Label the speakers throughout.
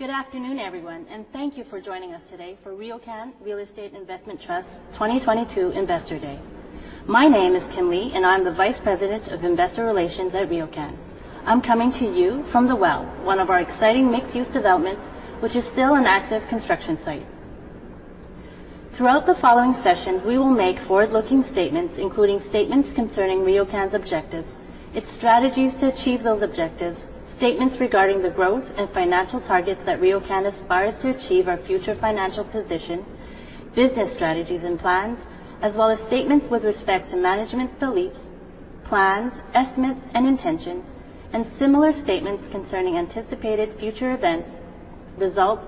Speaker 1: Good afternoon, everyone, and thank you for joining us today for RioCan Real Estate Investment Trust 2022 Investor Day. My name is Kim Lee, and I'm the Vice President of Investor Relations at RioCan. I'm coming to you from The Well, one of our exciting mixed-use developments, which is still an active construction site. Throughout the following sessions, we will make forward-looking statements, including statements concerning RioCan's objectives, its strategies to achieve those objectives, statements regarding the growth and financial targets that RioCan aspires to achieve, our future financial position, business strategies and plans, as well as statements with respect to management's beliefs, plans, estimates and intentions, and similar statements concerning anticipated future events, results,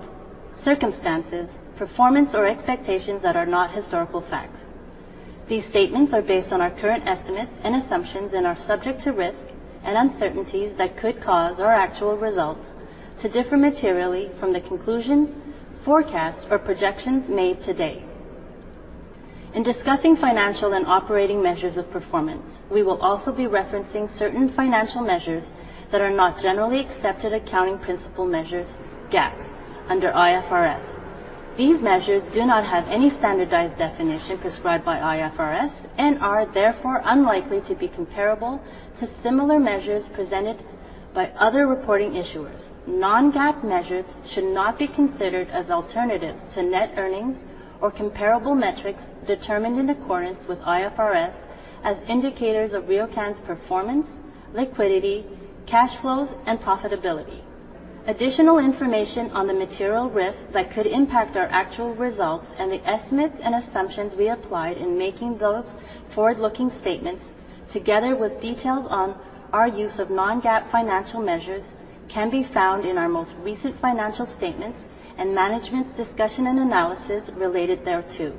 Speaker 1: circumstances, performance, or expectations that are not historical facts. These statements are based on our current estimates and assumptions and are subject to risks and uncertainties that could cause our actual results to differ materially from the conclusions, forecasts or projections made today. In discussing financial and operating measures of performance, we will also be referencing certain financial measures that are not generally accepted accounting principles measures, GAAP, under IFRS. These measures do not have any standardized definition prescribed by IFRS and are therefore unlikely to be comparable to similar measures presented by other reporting issuers. Non-GAAP measures should not be considered as alternatives to net earnings or comparable metrics determined in accordance with IFRS as indicators of RioCan's performance, liquidity, cash flows, and profitability. Additional information on the material risks that could impact our actual results and the estimates and assumptions we applied in making those forward-looking statements, together with details on our use of non-GAAP financial measures, can be found in our most recent financial statements and management's discussion and analysis related thereto.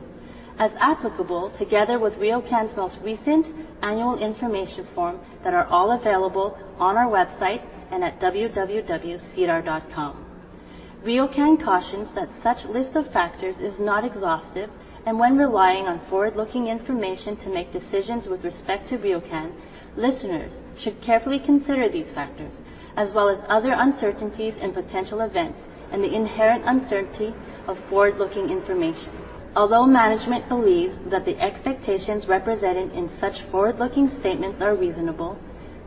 Speaker 1: As applicable, together with RioCan's most recent annual information form that are all available on our website and at sedar.com. RioCan cautions that such list of factors is not exhaustive, and when relying on forward-looking information to make decisions with respect to RioCan, listeners should carefully consider these factors, as well as other uncertainties and potential events and the inherent uncertainty of forward-looking information. Although management believes that the expectations represented in such forward-looking statements are reasonable,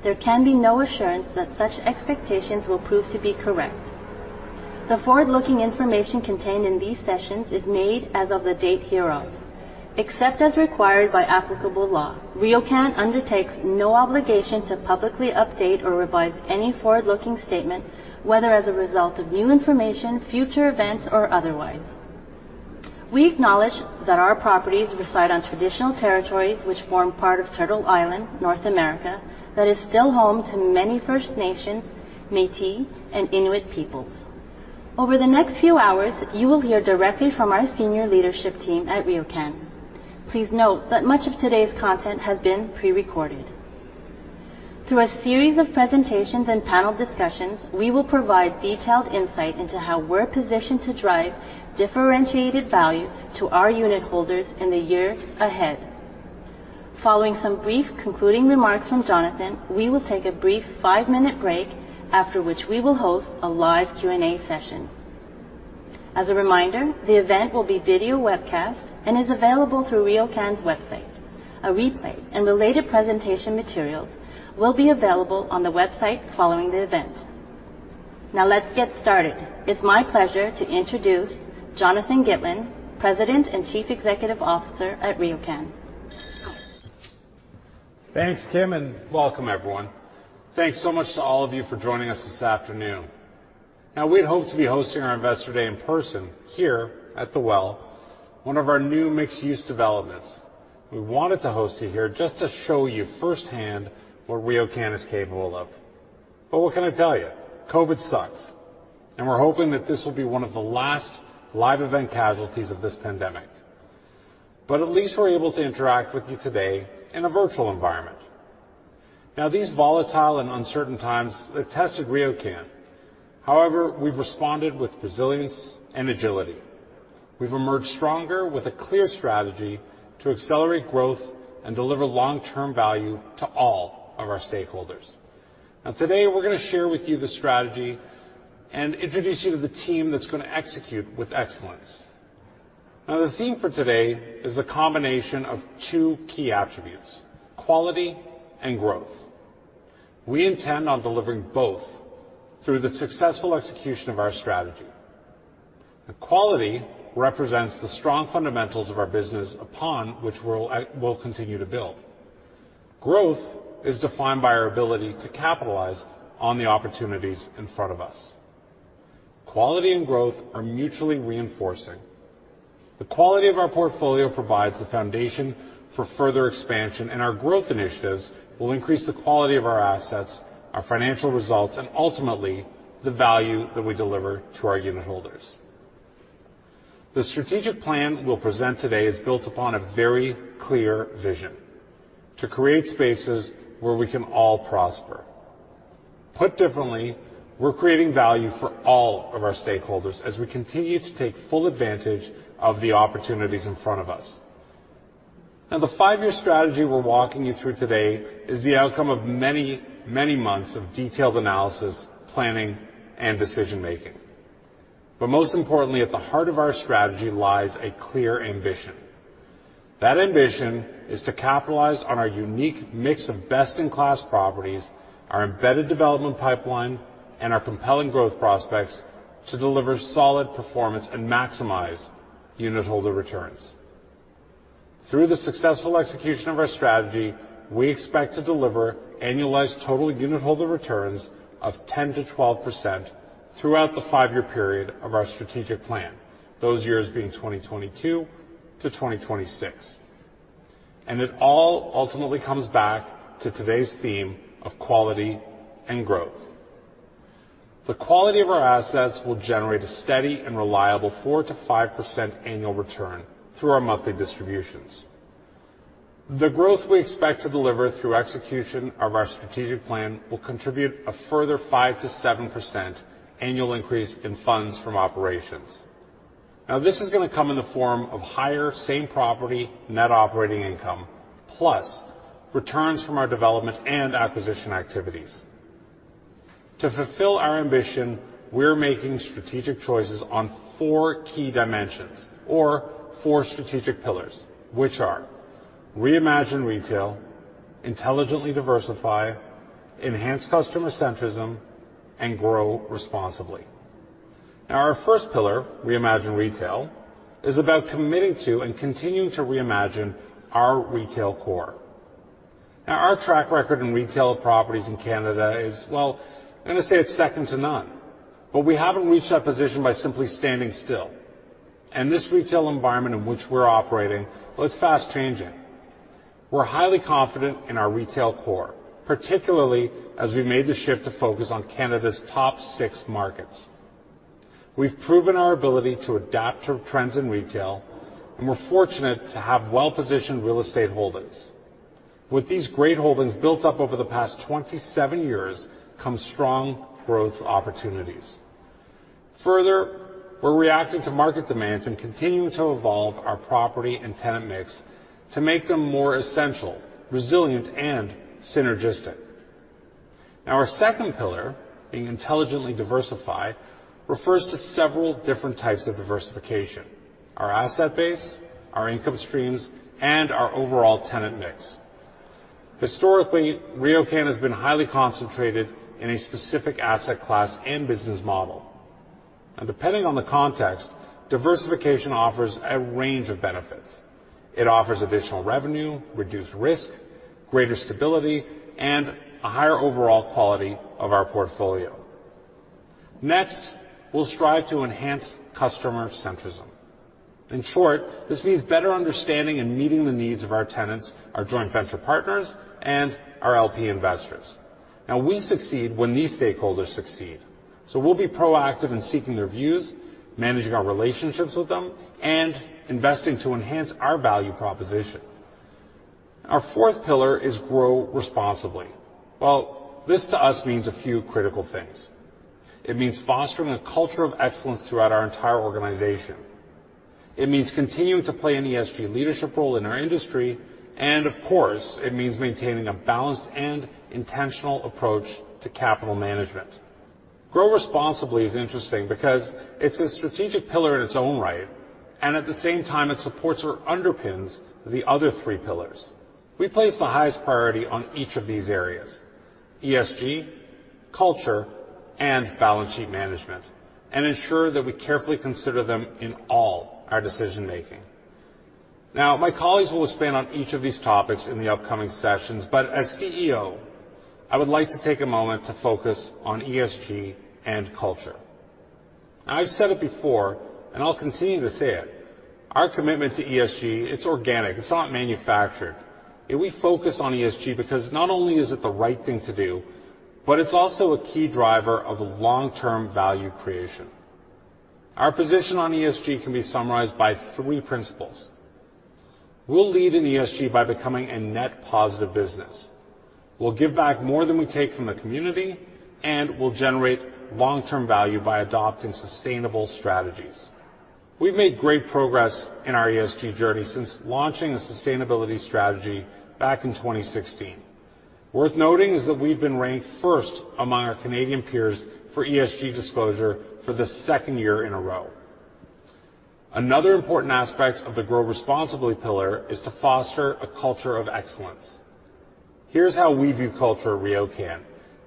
Speaker 1: there can be no assurance that such expectations will prove to be correct. The forward-looking information contained in these sessions is made as of the date hereof. Except as required by applicable law, RioCan undertakes no obligation to publicly update or revise any forward-looking statement, whether as a result of new information, future events, or otherwise. We acknowledge that our properties reside on traditional territories which form part of Turtle Island, North America, that is still home to many First Nations, Métis, and Inuit peoples. Over the next few hours, you will hear directly from our senior leadership team at RioCan. Please note that much of today's content has been pre-recorded. Through a series of presentations and panel discussions, we will provide detailed insight into how we're positioned to drive differentiated value to our unitholders in the years ahead. Following some brief concluding remarks from Jonathan, we will take a brief five-minute break, after which we will host a live Q&A session. As a reminder, the event will be video webcast and is available through RioCan's website. A replay and related presentation materials will be available on the website following the event. Now let's get started. It's my pleasure to introduce Jonathan Gitlin, President and Chief Executive Officer at RioCan.
Speaker 2: Thanks, Kim, and welcome everyone. Thanks so much to all of you for joining us this afternoon. Now, we'd hoped to be hosting our Investor Day in person here at The Well, one of our new mixed-use developments. We wanted to host you here just to show you firsthand what RioCan is capable of. What can I tell you? COVID sucks, and we're hoping that this will be one of the last live event casualties of this pandemic. At least we're able to interact with you today in a virtual environment. Now, these volatile and uncertain times, they've tested RioCan. However, we've responded with resilience and agility. We've emerged stronger with a clear strategy to accelerate growth and deliver long-term value to all of our stakeholders. Now, today, we're gonna share with you the strategy and introduce you to the team that's gonna execute with excellence. Now, the theme for today is the combination of two key attributes, quality and growth. We intend on delivering both through the successful execution of our strategy. The quality represents the strong fundamentals of our business upon which we'll continue to build. Growth is defined by our ability to capitalize on the opportunities in front of us. Quality and growth are mutually reinforcing. The quality of our portfolio provides the foundation for further expansion, and our growth initiatives will increase the quality of our assets, our financial results, and ultimately, the value that we deliver to our unitholders. The strategic plan we'll present today is built upon a very clear vision, to create spaces where we can all prosper. Put differently, we're creating value for all of our stakeholders as we continue to take full advantage of the opportunities in front of us. Now, the five-year strategy we're walking you through today is the outcome of many, many months of detailed analysis, planning, and decision-making. Most importantly, at the heart of our strategy lies a clear ambition. That ambition is to capitalize on our unique mix of best-in-class properties, our embedded development pipeline, and our compelling growth prospects to deliver solid performance and maximize unitholder returns. Through the successful execution of our strategy, we expect to deliver annualized total unitholder returns of 10%-12% throughout the five-year period of our strategic plan, those years being 2022-2026. It all ultimately comes back to today's theme of quality and growth. The quality of our assets will generate a steady and reliable 4%-5% annual return through our monthly distributions. The growth we expect to deliver through execution of our strategic plan will contribute a further 5%-7% annual increase in funds from operations. Now, this is gonna come in the form of higher same property net operating income, plus returns from our development and acquisition activities. To fulfill our ambition, we're making strategic choices on 4 key dimensions or 4 strategic pillars, which are reimagine retail, intelligently diversify, enhance customer centrism, and grow responsibly. Now, our first pillar, reimagine retail, is about committing to and continuing to reimagine our retail core. Now, our track record in retail properties in Canada is, well, I'm gonna say it's second to none, but we haven't reached that position by simply standing still. In this retail environment in which we're operating, well, it's fast changing. We're highly confident in our retail core, particularly as we made the shift to focus on Canada's top six markets. We've proven our ability to adapt to trends in retail, and we're fortunate to have well-positioned real estate holdings. With these great holdings built up over the past 27 years, come strong growth opportunities. Further, we're reacting to market demands and continuing to evolve our property and tenant mix to make them more essential, resilient, and synergistic. Now our second pillar, being intelligently diversify, refers to several different types of diversification, our asset base, our income streams, and our overall tenant mix. Historically, RioCan has been highly concentrated in a specific asset class and business model. Depending on the context, diversification offers a range of benefits. It offers additional revenue, reduced risk, greater stability, and a higher overall quality of our portfolio. Next, we'll strive to enhance customer centrism. In short, this means better understanding and meeting the needs of our tenants, our joint venture partners, and our LP investors. Now we succeed when these stakeholders succeed. We'll be proactive in seeking their views, managing our relationships with them, and investing to enhance our value proposition. Our fourth pillar is grow responsibly. Well, this to us means a few critical things. It means fostering a culture of excellence throughout our entire organization. It means continuing to play an ESG leadership role in our industry. And of course, it means maintaining a balanced and intentional approach to capital management. Grow responsibly is interesting because it's a strategic pillar in its own right, and at the same time, it supports or underpins the other three pillars. We place the highest priority on each of these areas, ESG, culture, and balance sheet management, and ensure that we carefully consider them in all our decision-making. Now, my colleagues will expand on each of these topics in the upcoming sessions, but as CEO, I would like to take a moment to focus on ESG and culture. I've said it before, and I'll continue to say it. Our commitment to ESG, it's organic. It's not manufactured. We focus on ESG because not only is it the right thing to do, but it's also a key driver of long-term value creation. Our position on ESG can be summarized by three principles. We'll lead in ESG by becoming a net positive business. We'll give back more than we take from the community, and we'll generate long-term value by adopting sustainable strategies. We've made great progress in our ESG journey since launching a sustainability strategy back in 2016. Worth noting is that we've been ranked first among our Canadian peers for ESG disclosure for the second year in a row. Another important aspect of the grow responsibly pillar is to foster a culture of excellence. Here's how we view culture at RioCan.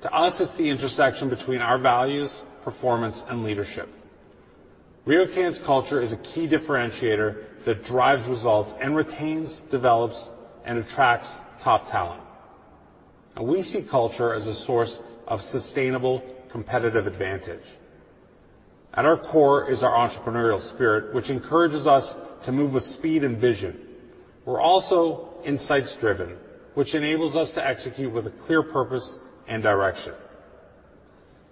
Speaker 2: To us, it's the intersection between our values, performance, and leadership. RioCan's culture is a key differentiator that drives results and retains, develops, and attracts top talent. We see culture as a source of sustainable competitive advantage. At our core is our entrepreneurial spirit, which encourages us to move with speed and vision. We're also insights-driven, which enables us to execute with a clear purpose and direction.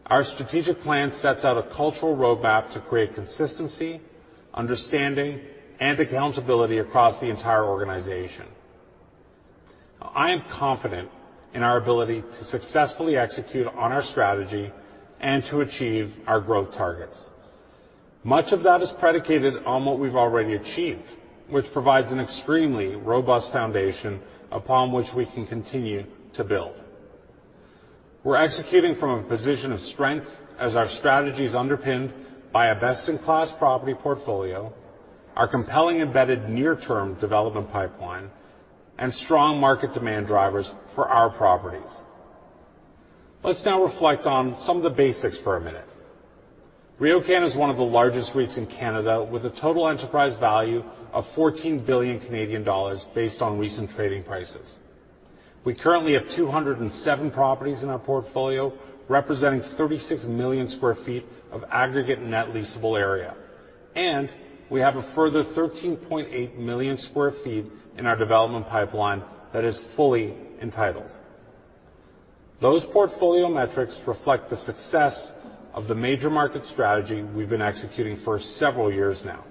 Speaker 2: Our strategic plan sets out a cultural roadmap to create consistency, understanding, and accountability across the entire organization. I am confident in our ability to successfully execute on our strategy and to achieve our growth targets. Much of that is predicated on what we've already achieved, which provides an extremely robust foundation upon which we can continue to build. We're executing from a position of strength as our strategy is underpinned by a best-in-class property portfolio, our compelling embedded near-term development pipeline, and strong market demand drivers for our properties. Let's now reflect on some of the basics for a minute. RioCan is one of the largest REITs in Canada with a total enterprise value of 14 billion Canadian dollars based on recent trading prices. We currently have 207 properties in our portfolio, representing 36 million sq ft of aggregate net leasable area, and we have a further 13.8 million sq ft in our development pipeline that is fully entitled. Those portfolio metrics reflect the success of the major market strategy we've been executing for several years now.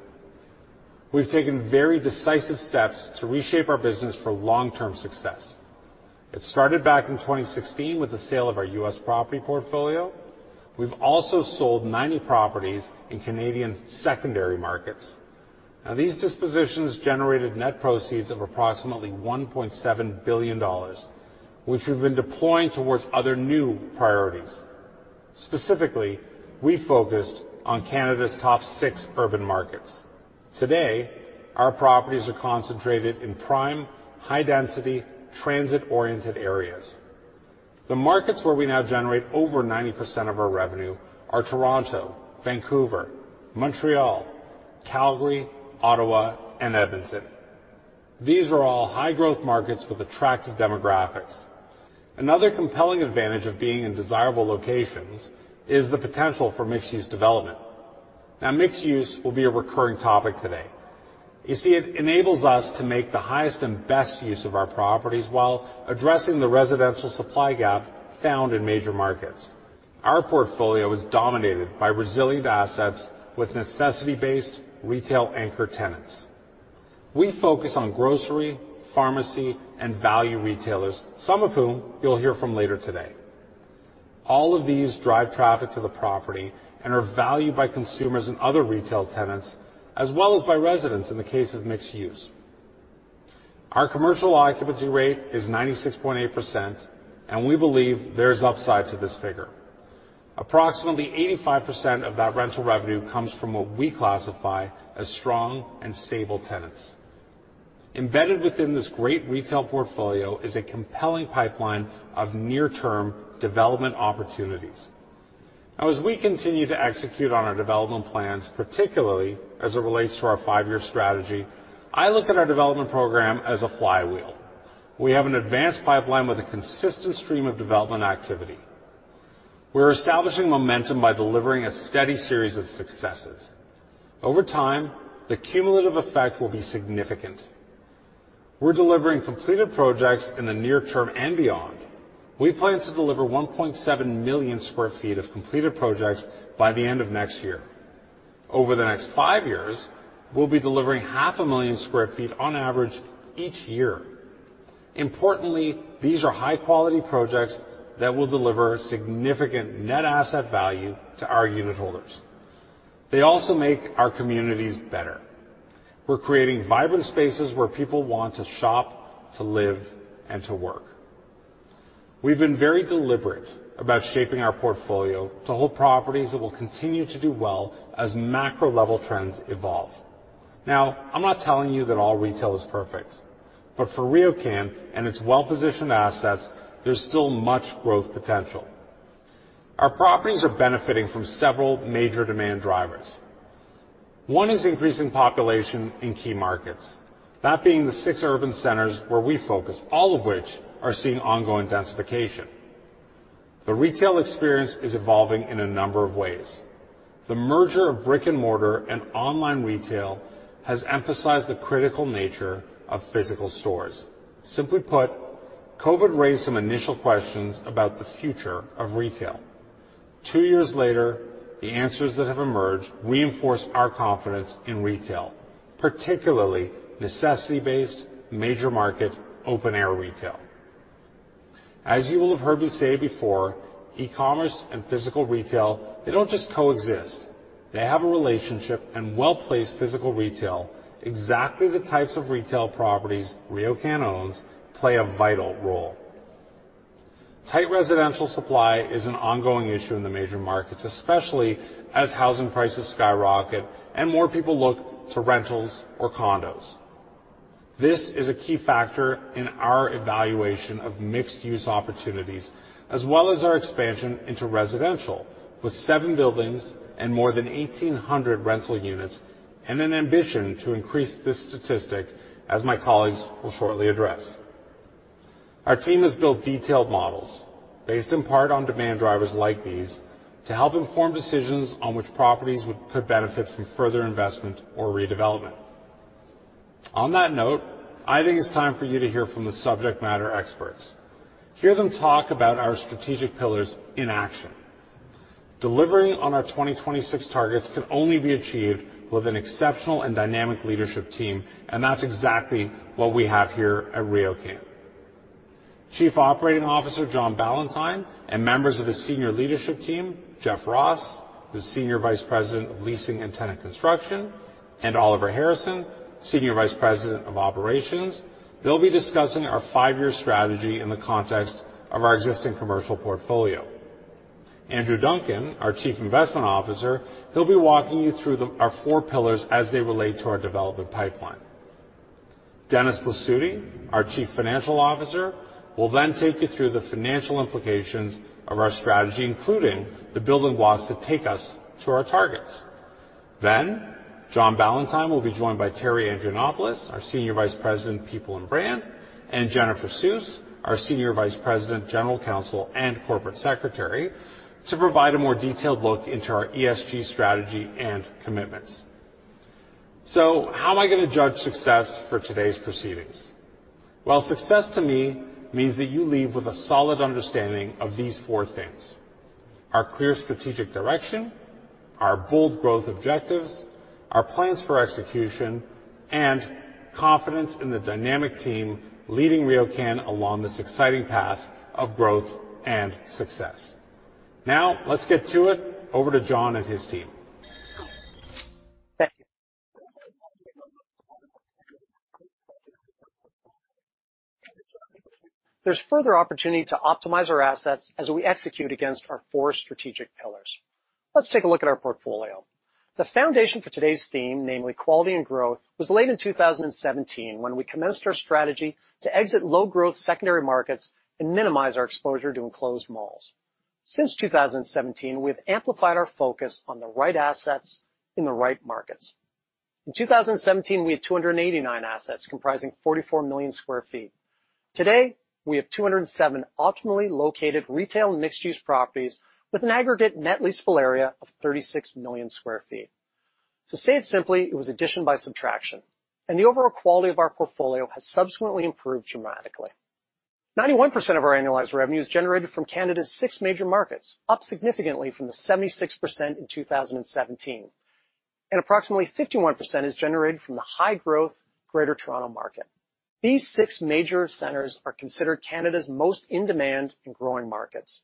Speaker 2: We've taken very decisive steps to reshape our business for long-term success. It started back in 2016 with the sale of our U.S. property portfolio. We've also sold 90 properties in Canadian secondary markets. Now, these dispositions generated net proceeds of approximately 1.7 billion dollars, which we've been deploying towards other new priorities. Specifically, we focused on Canada's top six urban markets. Today, our properties are concentrated in prime, high-density, transit-oriented areas. The markets where we now generate over 90% of our revenue are Toronto, Vancouver, Montreal, Calgary, Ottawa, and Edmonton. These are all high-growth markets with attractive demographics. Another compelling advantage of being in desirable locations is the potential for mixed-use development. Now, mixed use will be a recurring topic today. You see, it enables us to make the highest and best use of our properties while addressing the residential supply gap found in major markets. Our portfolio is dominated by resilient assets with necessity-based retail anchor tenants. We focus on grocery, pharmacy, and value retailers, some of whom you'll hear from later today. All of these drive traffic to the property and are valued by consumers and other retail tenants, as well as by residents in the case of mixed use. Our commercial occupancy rate is 96.8%, and we believe there is upside to this figure. Approximately 85% of that rental revenue comes from what we classify as strong and stable tenants. Embedded within this great retail portfolio is a compelling pipeline of near-term development opportunities. Now, as we continue to execute on our development plans, particularly as it relates to our five-year strategy, I look at our development program as a flywheel. We have an advanced pipeline with a consistent stream of development activity. We're establishing momentum by delivering a steady series of successes. Over time, the cumulative effect will be significant. We're delivering completed projects in the near term and beyond. We plan to deliver 1.7 million sq ft of completed projects by the end of next year. Over the next 5 years, we'll be delivering half a million sq ft on average each year. Importantly, these are high-quality projects that will deliver significant net asset value to our unit holders. They also make our communities better. We're creating vibrant spaces where people want to shop, to live, and to work. We've been very deliberate about shaping our portfolio to hold properties that will continue to do well as macro-level trends evolve. Now, I'm not telling you that all retail is perfect, but for RioCan and its well-positioned assets, there's still much growth potential. Our properties are benefiting from several major demand drivers. One is increasing population in key markets, that being the six urban centers where we focus, all of which are seeing ongoing densification. The retail experience is evolving in a number of ways. The merger of brick-and-mortar and online retail has emphasized the critical nature of physical stores. Simply put, COVID raised some initial questions about the future of retail. Two years later, the answers that have emerged reinforce our confidence in retail, particularly necessity-based, major market, open-air retail. As you will have heard me say before, e-commerce and physical retail, they don't just coexist. They have a relationship and well-placed physical retail, exactly the types of retail properties RioCan owns, play a vital role. Tight residential supply is an ongoing issue in the major markets, especially as housing prices skyrocket and more people look to rentals or condos. This is a key factor in our evaluation of mixed-use opportunities as well as our expansion into residential, with seven buildings and more than 1,800 rental units, and an ambition to increase this statistic, as my colleagues will shortly address. Our team has built detailed models based in part on demand drivers like these to help inform decisions on which properties would benefit from further investment or redevelopment. On that note, I think it's time for you to hear from the subject matter experts. Hear them talk about our strategic pillars in action. Delivering on our 2026 targets can only be achieved with an exceptional and dynamic leadership team, and that's exactly what we have here at RioCan. Chief Operating Officer John Ballantyne and members of his senior leadership team, Jeff Ross, the Senior Vice President of Leasing and Tenant Construction, and Oliver Harrison, Senior Vice President of Operations. They'll be discussing our five-year strategy in the context of our existing commercial portfolio. Andrew Duncan, our Chief Investment Officer, he'll be walking you through our four pillars as they relate to our development pipeline. Dennis Blasutti, our Chief Financial Officer, will then take you through the financial implications of our strategy, including the building blocks that take us to our targets. John Ballantyne will be joined by Terri Andrianopoulos, our Senior Vice President, People and Brand, and Jennifer Suess, our Senior Vice President, General Counsel, and Corporate Secretary, to provide a more detailed look into our ESG strategy and commitments. How am I gonna judge success for today's proceedings? Well, success to me means that you leave with a solid understanding of these four things. Our clear strategic direction, our bold growth objectives, our plans for execution, and confidence in the dynamic team leading RioCan along this exciting path of growth and success. Now let's get to it. Over to John and his team.
Speaker 3: Thank you. There's further opportunity to optimize our assets as we execute against our four strategic pillars. Let's take a look at our portfolio. The foundation for today's theme, namely quality and growth, was laid in 2017 when we commenced our strategy to exit low-growth secondary markets and minimize our exposure to enclosed malls. Since 2017, we have amplified our focus on the right assets in the right markets. In 2017, we had 289 assets comprising 44 million sq ft. Today, we have 207 optimally located retail and mixed-use properties with an aggregate net leasable area of 36 million sq ft. To say it simply, it was addition by subtraction, and the overall quality of our portfolio has subsequently improved dramatically. 91% of our annualized revenue is generated from Canada's six major markets, up significantly from the 76% in 2017. Approximately 51% is generated from the high-growth Greater Toronto market. These six major centers are considered Canada's most in-demand and growing markets.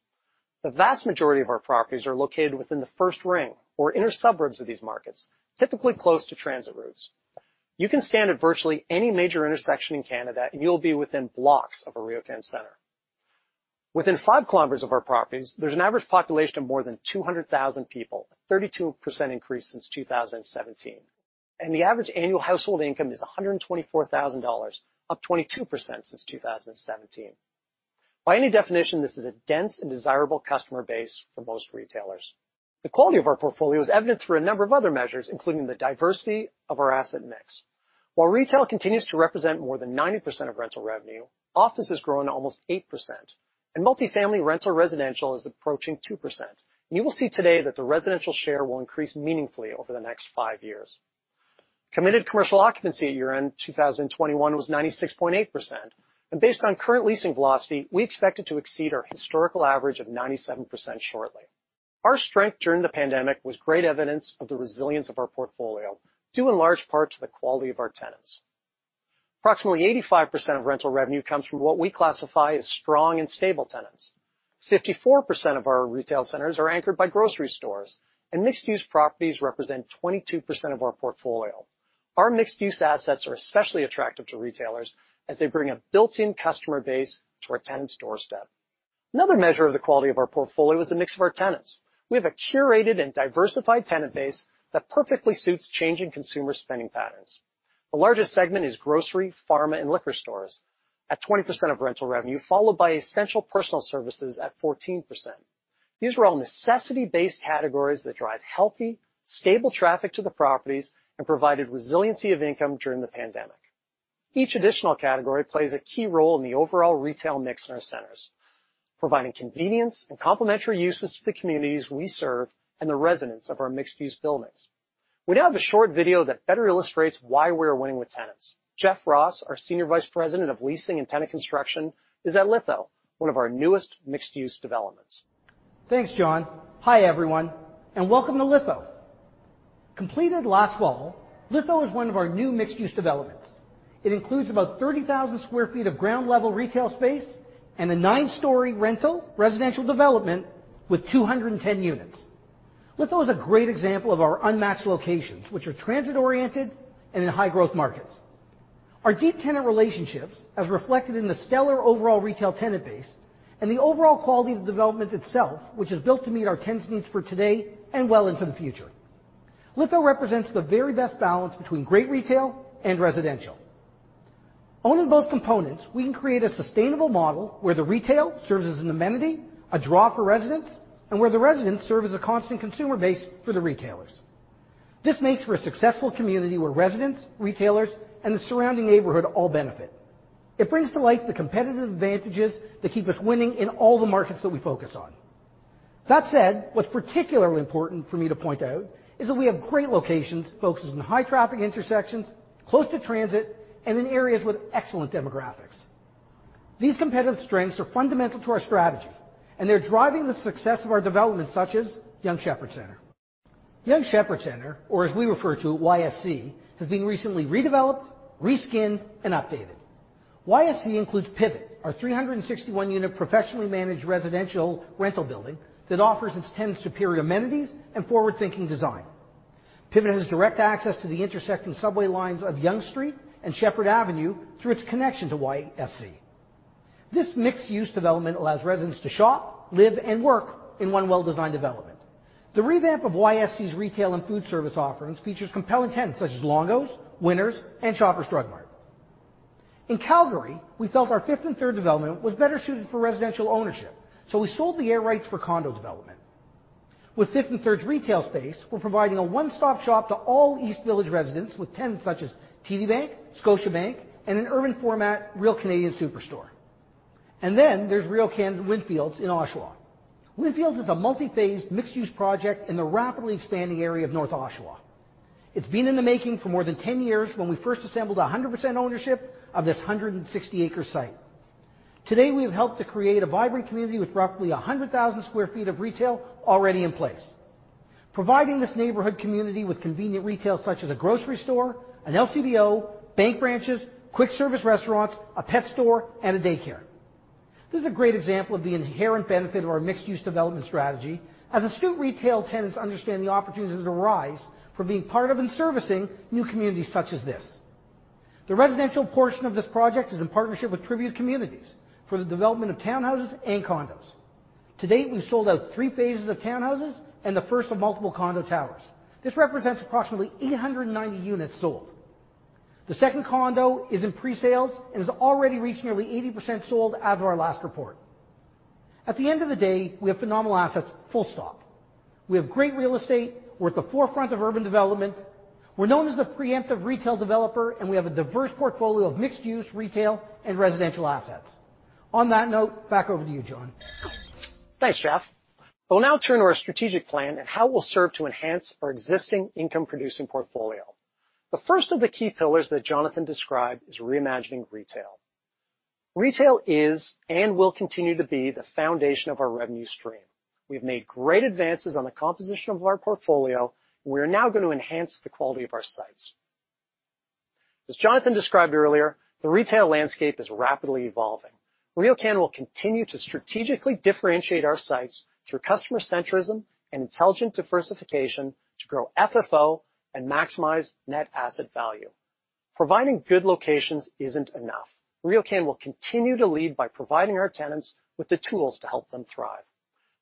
Speaker 3: The vast majority of our properties are located within the first ring or inner suburbs of these markets, typically close to transit routes. You can stand at virtually any major intersection in Canada, and you'll be within blocks of a RioCan center. Within five kilometers of our properties, there's an average population of more than 200,000 people, a 32% increase since 2017. The average annual household income is 124,000 dollars, up 22% since 2017. By any definition, this is a dense and desirable customer base for most retailers. The quality of our portfolio is evident through a number of other measures, including the diversity of our asset mix. While retail continues to represent more than 90% of rental revenue, office has grown to almost 8%, and multi-family rental residential is approaching 2%. You will see today that the residential share will increase meaningfully over the next 5 years. Committed commercial occupancy at year-end 2021 was 96.8%, and based on current leasing velocity, we expected to exceed our historical average of 97% shortly. Our strength during the pandemic was great evidence of the resilience of our portfolio, due in large part to the quality of our tenants. Approximately 85% of rental revenue comes from what we classify as strong and stable tenants. 54% of our retail centers are anchored by grocery stores, and mixed-use properties represent 22% of our portfolio. Our mixed-use assets are especially attractive to retailers as they bring a built-in customer base to our tenants' doorstep. Another measure of the quality of our portfolio is the mix of our tenants. We have a curated and diversified tenant base that perfectly suits changing consumer spending patterns. The largest segment is grocery, pharma, and liquor stores at 20% of rental revenue, followed by essential personal services at 14%. These are all necessity-based categories that drive healthy, stable traffic to the properties and provided resiliency of income during the pandemic. Each additional category plays a key role in the overall retail mix in our centers, providing convenience and complementary uses to the communities we serve and the residents of our mixed-use buildings. We now have a short video that better illustrates why we're winning with tenants. Jeff Ross, our Senior Vice President of Leasing and Tenant Construction, is at Litho, one of our newest mixed-use developments.
Speaker 4: Thanks, John. Hi, everyone, and welcome to Litho. Completed last fall, Litho is one of our new mixed-use developments. It includes about 30,000 sq ft of ground-level retail space and a 9-story rental residential development with 210 units. Litho is a great example of our unmatched locations, which are transit-oriented and in high-growth markets, our deep tenant relationships, as reflected in the stellar overall retail tenant base and the overall quality of the development itself, which is built to meet our tenants' needs for today and well into the future. Litho represents the very best balance between great retail and residential. Owning both components, we can create a sustainable model where the retail serves as an amenity, a draw for residents, and where the residents serve as a constant consumer base for the retailers. This makes for a successful community where residents, retailers, and the surrounding neighborhood all benefit. It brings to light the competitive advantages that keep us winning in all the markets that we focus on. That said, what's particularly important for me to point out is that we have great locations focused on high-traffic intersections, close to transit, and in areas with excellent demographics. These competitive strengths are fundamental to our strategy, and they're driving the success of our developments, such as Yonge Sheppard Centre. Yonge Sheppard Centre, or as we refer to it, YSC, has been recently redeveloped, reskinned, and updated. YSC includes Pivot, our 361-unit professionally managed residential rental building that offers its tenants superior amenities and forward-thinking design. Pivot has direct access to the intersecting subway lines of Yonge Street and Sheppard Avenue through its connection to YSC. This mixed-use development allows residents to shop, live, and work in one well-designed development. The revamp of YSC's retail and food service offerings features compelling tenants such as Longo's, Winners, and Shoppers Drug Mart. In Calgary, we felt our 5th & Third development was better suited for residential ownership, so we sold the air rights for condo development. With 5th & Third's retail space, we're providing a one-stop shop to all East Village residents with tenants such as TD Bank, Scotiabank, and an urban format, Real Canadian Superstore. There's RioCan windfields in Oshawa. windfields is a multi-phased mixed-use project in the rapidly expanding area of North Oshawa. It's been in the making for more than 10 years when we first assembled 100% ownership of this 160-acre site. Today, we have helped to create a vibrant community with roughly 100,000 sq ft of retail already in place, providing this neighborhood community with convenient retail such as a grocery store, an LCBO, bank branches, quick service restaurants, a pet store, and a daycare. This is a great example of the inherent benefit of our mixed-use development strategy as astute retail tenants understand the opportunities that arise from being part of and servicing new communities such as this. The residential portion of this project is in partnership with Tribute Communities for the development of townhouses and condos. To date, we've sold out three phases of townhouses and the first of multiple condo towers. This represents approximately 890 units sold. The second condo is in presales and has already reached nearly 80% sold as of our last report. At the end of the day, we have phenomenal assets, full stop. We have great real estate. We're at the forefront of urban development. We're known as the preeminent retail developer, and we have a diverse portfolio of mixed-use retail and residential assets. On that note, back over to you, John.
Speaker 3: Thanks, Jeff. We'll now turn to our strategic plan and how it will serve to enhance our existing income-producing portfolio. The first of the key pillars that Jonathan described is reimagining retail. Retail is and will continue to be the foundation of our revenue stream. We've made great advances on the composition of our portfolio. We are now gonna enhance the quality of our sites. As Jonathan described earlier, the retail landscape is rapidly evolving. RioCan will continue to strategically differentiate our sites through customer centrism and intelligent diversification to grow FFO and maximize net asset value. Providing good locations isn't enough. RioCan will continue to lead by providing our tenants with the tools to help them thrive.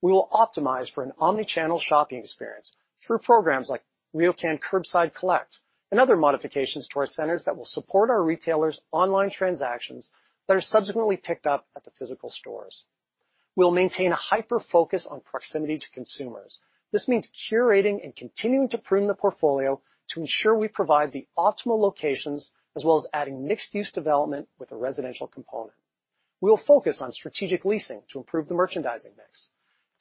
Speaker 3: We will optimize for an omni-channel shopping experience through programs like RioCan Curbside Collect and other modifications to our centers that will support our retailers' online transactions that are subsequently picked up at the physical stores. We'll maintain a hyper-focus on proximity to consumers. This means curating and continuing to prune the portfolio to ensure we provide the optimal locations as well as adding mixed-use development with a residential component. We will focus on strategic leasing to improve the merchandising mix,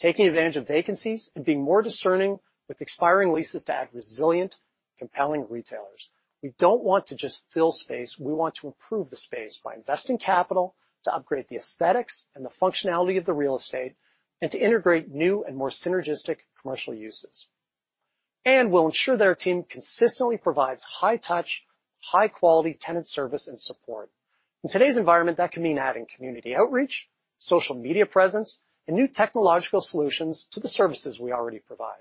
Speaker 3: taking advantage of vacancies and being more discerning with expiring leases to add resilient, compelling retailers. We don't want to just fill space. We want to improve the space by investing capital to upgrade the aesthetics and the functionality of the real estate and to integrate new and more synergistic commercial uses. We'll ensure that our team consistently provides high touch, high-quality tenant service and support. In today's environment, that can mean adding community outreach, social media presence, and new technological solutions to the services we already provide.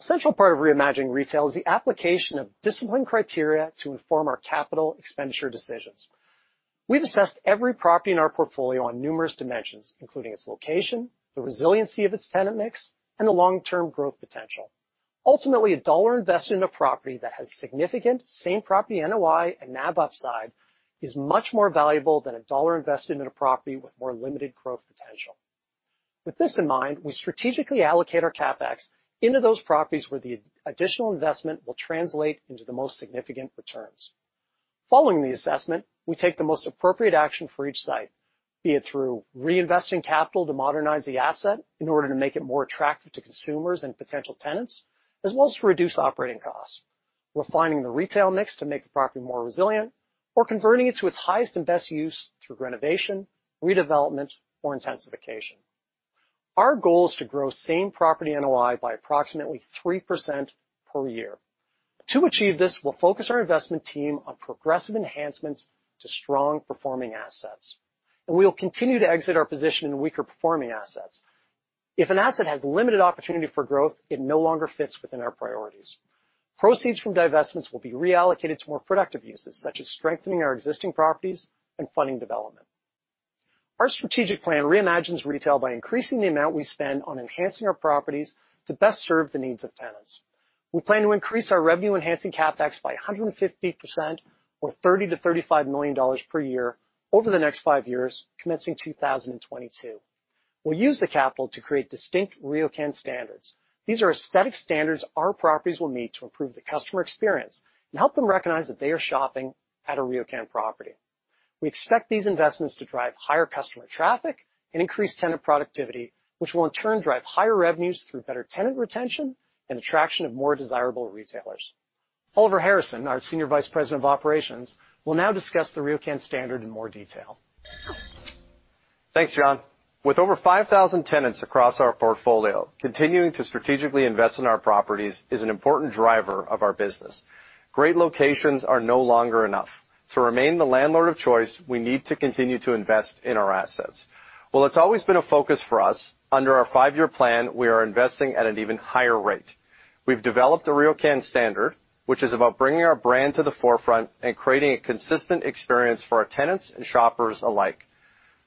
Speaker 3: A central part of reimagining retail is the application of disciplined criteria to inform our capital expenditure decisions. We've assessed every property in our portfolio on numerous dimensions, including its location, the resiliency of its tenant mix, and the long-term growth potential. Ultimately, a dollar invested in a property that has significant same property NOI and NAV upside is much more valuable than a dollar invested in a property with more limited growth potential. With this in mind, we strategically allocate our CapEx into those properties where the additional investment will translate into the most significant returns. Following the assessment, we take the most appropriate action for each site, be it through reinvesting capital to modernize the asset in order to make it more attractive to consumers and potential tenants, as well as to reduce operating costs, refining the retail mix to make the property more resilient or converting it to its highest and best use through renovation, redevelopment, or intensification. Our goal is to grow same property NOI by approximately 3% per year. To achieve this, we'll focus our investment team on progressive enhancements to strong-performing assets, and we will continue to exit our position in weaker performing assets. If an asset has limited opportunity for growth, it no longer fits within our priorities. Proceeds from divestments will be reallocated to more productive uses, such as strengthening our existing properties and funding development. Our strategic plan reimagines retail by increasing the amount we spend on enhancing our properties to best serve the needs of tenants. We plan to increase our revenue-enhancing CapEx by 150% or 30 million-35 million dollars per year over the next 5 years, commencing 2022. We'll use the capital to create distinct RioCan standards. These are aesthetic standards our properties will meet to improve the customer experience and help them recognize that they are shopping at a RioCan property. We expect these investments to drive higher customer traffic and increase tenant productivity, which will in turn drive higher revenues through better tenant retention and attraction of more desirable retailers. Oliver Harrison, our Senior Vice President of Operations, will now discuss the RioCan standard in more detail.
Speaker 5: Thanks, John. With over 5,000 tenants across our portfolio, continuing to strategically invest in our properties is an important driver of our business. Great locations are no longer enough. To remain the landlord of choice, we need to continue to invest in our assets. While it's always been a focus for us, under our five-year plan, we are investing at an even higher rate. We've developed a RioCan standard, which is about bringing our brand to the forefront and creating a consistent experience for our tenants and shoppers alike.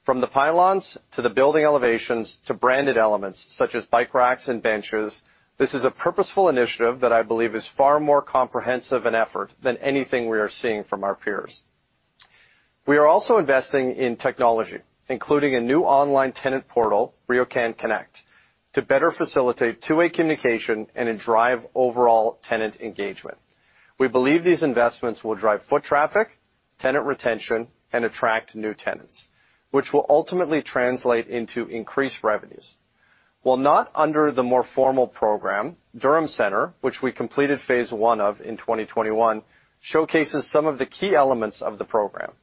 Speaker 5: From the pylons to the building elevations to branded elements such as bike racks and benches, this is a purposeful initiative that I believe is far more comprehensive an effort than anything we are seeing from our peers. We are also investing in technology, including a new online tenant portal, RioCan Connect, to better facilitate two-way communication and then drive overall tenant engagement. We believe these investments will drive foot traffic, tenant retention, and attract new tenants, which will ultimately translate into increased revenues. While not under the more formal program, Durham Center, which we completed phase one of in 2021, showcases some of the key elements of the program.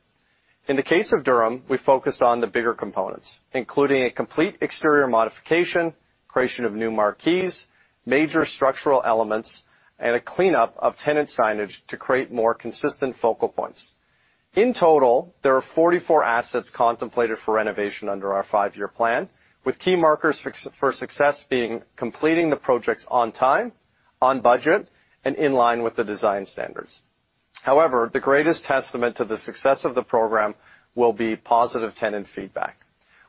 Speaker 5: In the case of Durham, we focused on the bigger components, including a complete exterior modification, creation of new marquees, major structural elements, and a cleanup of tenant signage to create more consistent focal points. In total, there are 44 assets contemplated for renovation under our 5-year plan, with key markers for success being completing the projects on time, on budget, and in line with the design standards. However, the greatest testament to the success of the program will be positive tenant feedback.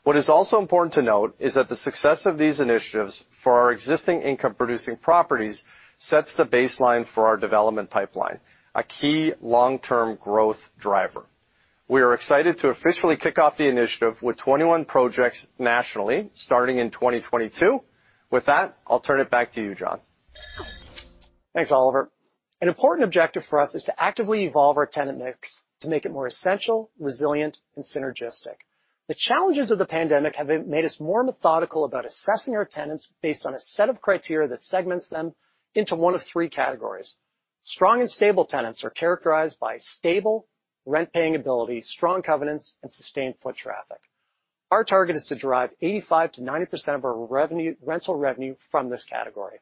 Speaker 5: What is also important to note is that the success of these initiatives for our existing income-producing properties sets the baseline for our development pipeline, a key long-term growth driver. We are excited to officially kick off the initiative with 21 projects nationally, starting in 2022. With that, I'll turn it back to you, John.
Speaker 3: Thanks, Oliver. An important objective for us is to actively evolve our tenant mix to make it more essential, resilient, and synergistic. The challenges of the pandemic have made us more methodical about assessing our tenants based on a set of criteria that segments them into one of three categories. Strong and stable tenants are characterized by stable rent-paying ability, strong covenants, and sustained foot traffic. Our target is to derive 85%-90% of our revenue, rental revenue, from this category.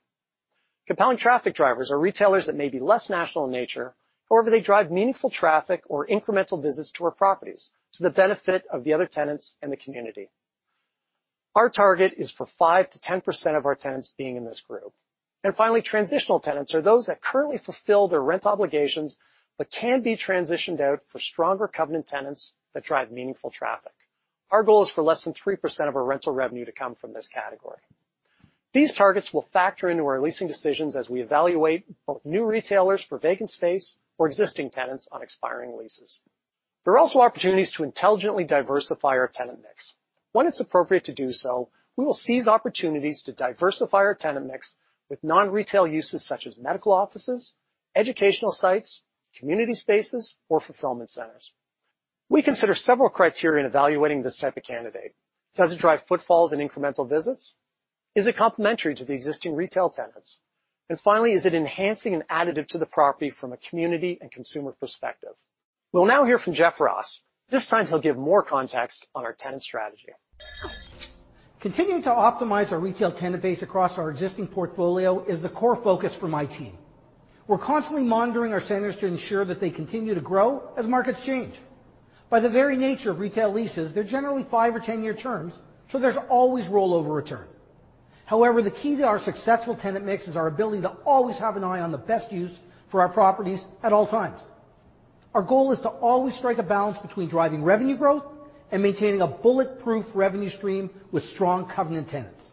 Speaker 3: Compelling traffic drivers are retailers that may be less national in nature, however, they drive meaningful traffic or incremental business to our properties to the benefit of the other tenants in the community. Our target is for 5%-10% of our tenants being in this group. Finally, transitional tenants are those that currently fulfill their rent obligations, but can be transitioned out for stronger covenant tenants that drive meaningful traffic. Our goal is for less than 3% of our rental revenue to come from this category. These targets will factor into our leasing decisions as we evaluate both new retailers for vacant space or existing tenants on expiring leases. There are also opportunities to intelligently diversify our tenant mix. When it's appropriate to do so, we will seize opportunities to diversify our tenant mix with non-retail uses such as medical offices, educational sites, community spaces, or fulfillment centers. We consider several criteria in evaluating this type of candidate. Does it drive footfalls and incremental visits? Is it complementary to the existing retail tenants? Finally, is it enhancing and additive to the property from a community and consumer perspective? We'll now hear from Jeff Ross. This time, he'll give more context on our tenant strategy.
Speaker 4: Continuing to optimize our retail tenant base across our existing portfolio is the core focus for my team. We're constantly monitoring our centers to ensure that they continue to grow as markets change. By the very nature of retail leases, they're generally 5- or 10-year terms, so there's always rollover return. However, the key to our successful tenant mix is our ability to always have an eye on the best use for our properties at all times. Our goal is to always strike a balance between driving revenue growth and maintaining a bulletproof revenue stream with strong covenant tenants.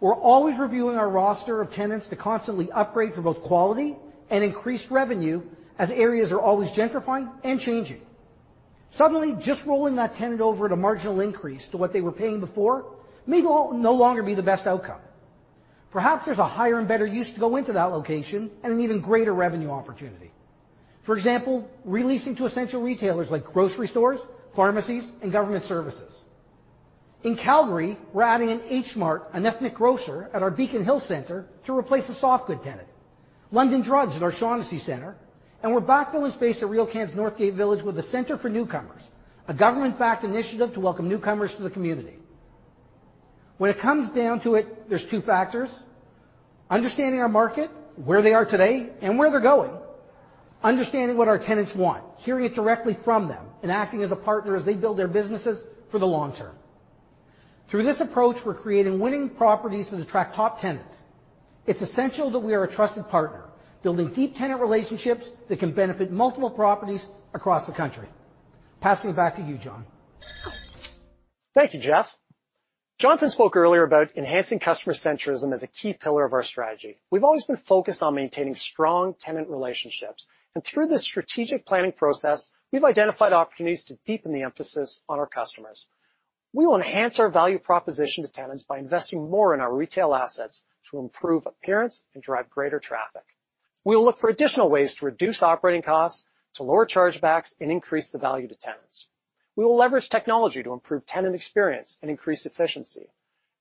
Speaker 4: We're always reviewing our roster of tenants to constantly upgrade for both quality and increased revenue, as areas are always gentrifying and changing. Suddenly, just rolling that tenant over at a marginal increase to what they were paying before may no longer be the best outcome. Perhaps there's a higher and better use to go into that location and an even greater revenue opportunity. For example, re-leasing to essential retailers like grocery stores, pharmacies, and government services. In Calgary, we're adding an H Mart, an ethnic grocer, at our Beacon Hill Centre to replace a soft good tenant, London Drugs at our Shawnessy Centre, and we're backfilling space at RioCan's Northgate Village with a center for newcomers, a government-backed initiative to welcome newcomers to the community. When it comes down to it, there's two factors, understanding our market, where they are today, and where they're going. Understanding what our tenants want, hearing it directly from them, and acting as a partner as they build their businesses for the long term. Through this approach, we're creating winning properties that attract top tenants. It's essential that we are a trusted partner, building deep tenant relationships that can benefit multiple properties across the country. Passing it back to you, John.
Speaker 3: Thank you, Jeff. Jonathan spoke earlier about enhancing customer centrism as a key pillar of our strategy. We've always been focused on maintaining strong tenant relationships, and through the strategic planning process, we've identified opportunities to deepen the emphasis on our customers. We will enhance our value proposition to tenants by investing more in our retail assets to improve appearance and drive greater traffic. We will look for additional ways to reduce operating costs, to lower chargebacks, and increase the value to tenants. We will leverage technology to improve tenant experience and increase efficiency.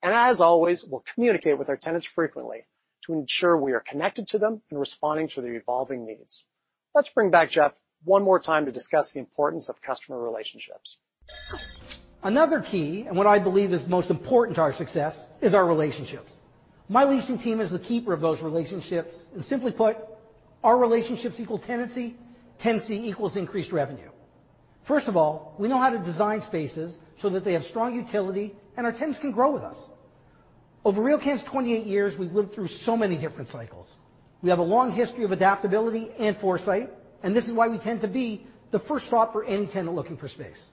Speaker 3: As always, we'll communicate with our tenants frequently to ensure we are connected to them and responding to their evolving needs. Let's bring back Jeff one more time to discuss the importance of customer relationships.
Speaker 4: Another key, and what I believe is most important to our success, is our relationships. My leasing team is the keeper of those relationships, and simply put, our relationships equal tenancy equals increased revenue. First of all, we know how to design spaces so that they have strong utility and our tenants can grow with us. Over RioCan's 28 years, we've lived through so many different cycles. We have a long history of adaptability and foresight, and this is why we tend to be the first stop for any tenant looking for space.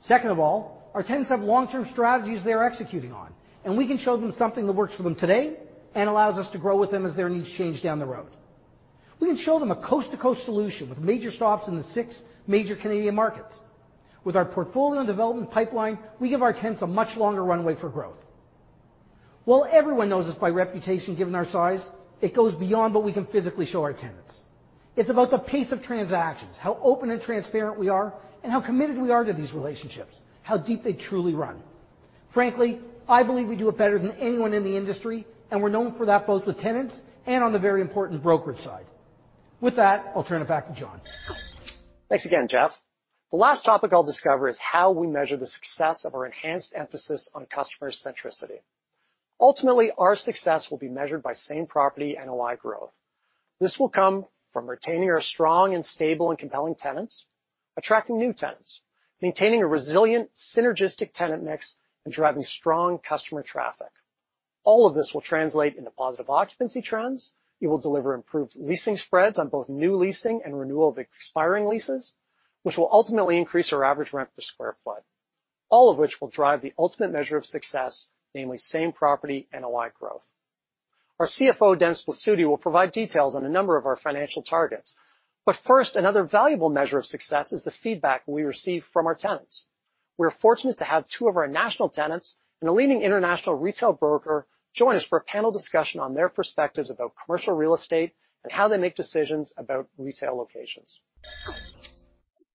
Speaker 4: Second of all, our tenants have long-term strategies they are executing on, and we can show them something that works for them today and allows us to grow with them as their needs change down the road. We can show them a coast-to-coast solution with major stops in the six major Canadian markets. With our portfolio and development pipeline, we give our tenants a much longer runway for growth. While everyone knows us by reputation given our size, it goes beyond what we can physically show our tenants. It's about the pace of transactions, how open and transparent we are, and how committed we are to these relationships, how deep they truly run. Frankly, I believe we do it better than anyone in the industry, and we're known for that both with tenants and on the very important brokerage side. With that, I'll turn it back to John.
Speaker 3: Thanks again, Jeff. The last topic I'll discuss is how we measure the success of our enhanced emphasis on customer centricity. Ultimately, our success will be measured by same property NOI growth. This will come from retaining our strong and stable and compelling tenants, attracting new tenants, maintaining a resilient synergistic tenant mix, and driving strong customer traffic. All of this will translate into positive occupancy trends. It will deliver improved leasing spreads on both new leasing and renewal of expiring leases, which will ultimately increase our average rent per square foot. All of which will drive the ultimate measure of success, namely same property NOI growth. Our CFO, Dennis Blasutti, will provide details on a number of our financial targets. First, another valuable measure of success is the feedback we receive from our tenants. We are fortunate to have two of our national tenants and a leading international retail broker join us for a panel discussion on their perspectives about commercial real estate and how they make decisions about retail locations.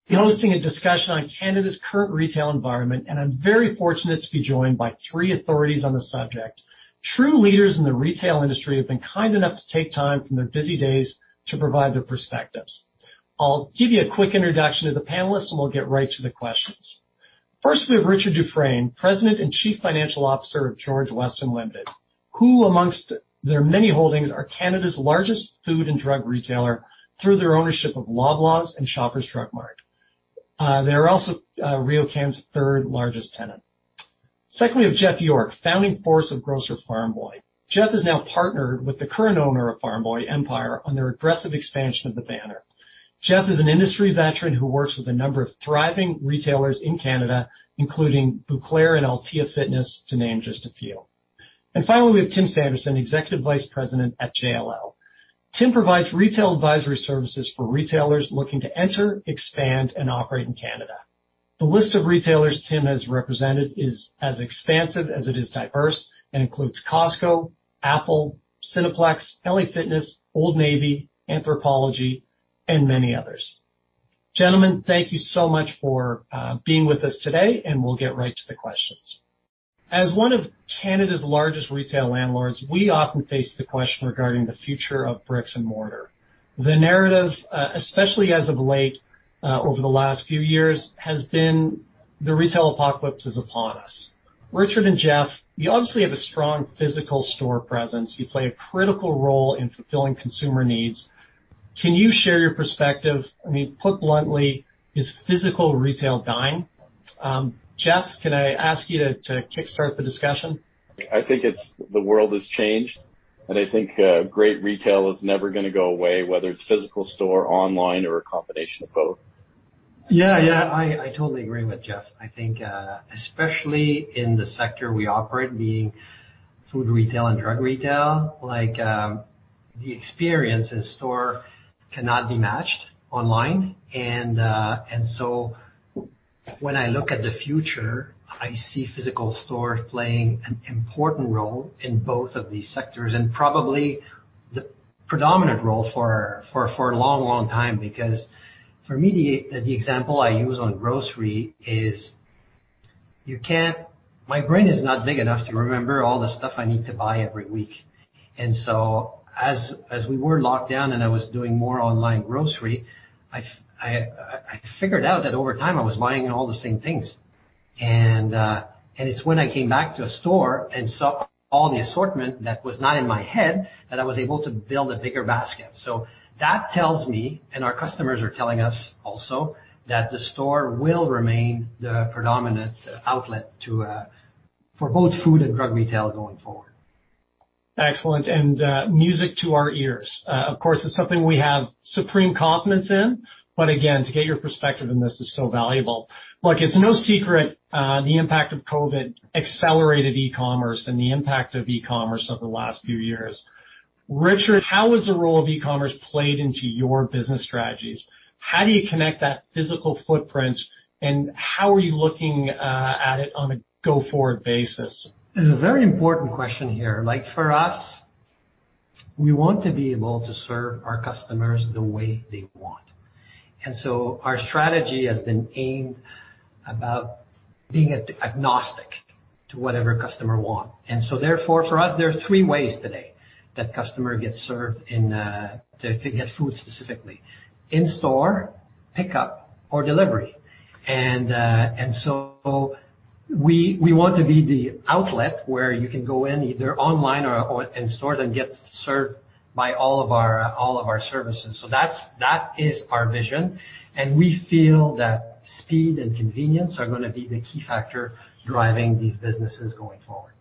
Speaker 3: We're hosting a discussion on Canada's current retail environment, and I'm very fortunate to be joined by three authorities on the subject. True leaders in the retail industry have been kind enough to take time from their busy days to provide their perspectives. I'll give you a quick introduction to the panelists, and we'll get right to the questions. First, we have Richard Dufresne, President and Chief Financial Officer of George Weston Limited, who, among their many holdings, are Canada's largest food and drug retailer through their ownership of Loblaws and Shoppers Drug Mart. They are also RioCan's third-largest tenant. Secondly, we have Jeff York, founding force of grocer Farm Boy. Jeff is now partnered with the current owner of Farm Boy, Empire, on their aggressive expansion of the banner. Jeff is an industry veteran who works with a number of thriving retailers in Canada, including Bouclair and Altea Active, to name just a few. Finally, we have Tim Sanderson, Executive Vice President at JLL. Tim provides retail advisory services for retailers looking to enter, expand, and operate in Canada. The list of retailers Tim has represented is as expansive as it is diverse, and includes Costco, Apple, Cineplex, LA Fitness, Old Navy, Anthropologie, and many others. Gentlemen, thank you so much for being with us today, and we'll get right to the questions. As one of Canada's largest retail landlords, we often face the question regarding the future of bricks and mortar. The narrative, especially as of late, over the last few years, has been the retail apocalypse is upon us. Richard and Jeff, you obviously have a strong physical store presence. You play a critical role in fulfilling consumer needs. Can you share your perspective? I mean, put bluntly, is physical retail dying? Jeff, can I ask you to kickstart the discussion?
Speaker 6: I think it's the world has changed, and I think great retail is never gonna go away, whether it's physical store, online, or a combination of both.
Speaker 7: Yeah, I totally agree with Jeff. I think especially in the sector we operate, being food retail and drug retail, like, the experience in store cannot be matched online. When I look at the future, I see physical stores playing an important role in both of these sectors, and probably the predominant role for a long time. Because for me, the example I use on grocery is my brain is not big enough to remember all the stuff I need to buy every week. As we were locked down and I was doing more online grocery, I figured out that over time I was buying all the same things. It's when I came back to a store and saw all the assortment that was not in my head, that I was able to build a bigger basket. That tells me, and our customers are telling us also, that the store will remain the predominant outlet to, for both food and drug retail going forward.
Speaker 3: Excellent. Music to our ears. Of course, it's something we have supreme confidence in, but again, to get your perspective on this is so valuable. Look, it's no secret, the impact of COVID accelerated e-commerce and the impact of e-commerce over the last few years. Richard, how has the role of e-commerce played into your business strategies? How do you connect that physical footprint, and how are you looking at it on a go-forward basis?
Speaker 7: Very important question here. Like, for us, we want to be able to serve our customers the way they want. Our strategy has been aimed about being agnostic to whatever customer want. Therefore, for us, there are three ways today that customer gets served in, to get food specifically: in store, pickup, or delivery. We want to be the outlet where you can go in, either online or in store and get served by all of our services. That's that is our vision, and we feel that speed and convenience are gonna be the key factor driving these businesses going forward.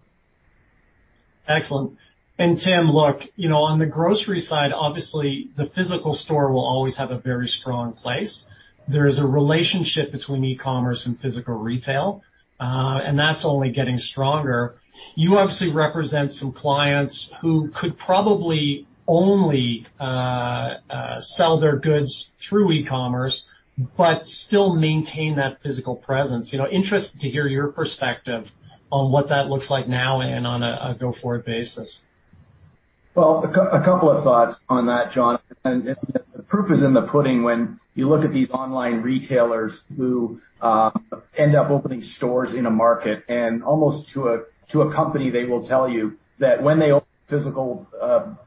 Speaker 3: Excellent. Tim, look, you know, on the grocery side, obviously the physical store will always have a very strong place. There is a relationship between e-commerce and physical retail, and that's only getting stronger. You obviously represent some clients who could probably only sell their goods through e-commerce, but still maintain that physical presence. You know, interested to hear your perspective on what that looks like now and on a go-forward basis.
Speaker 8: Well, a couple of thoughts on that, John. The proof is in the pudding when you look at these online retailers who end up opening stores in a market, and almost to a company, they will tell you that when they open physical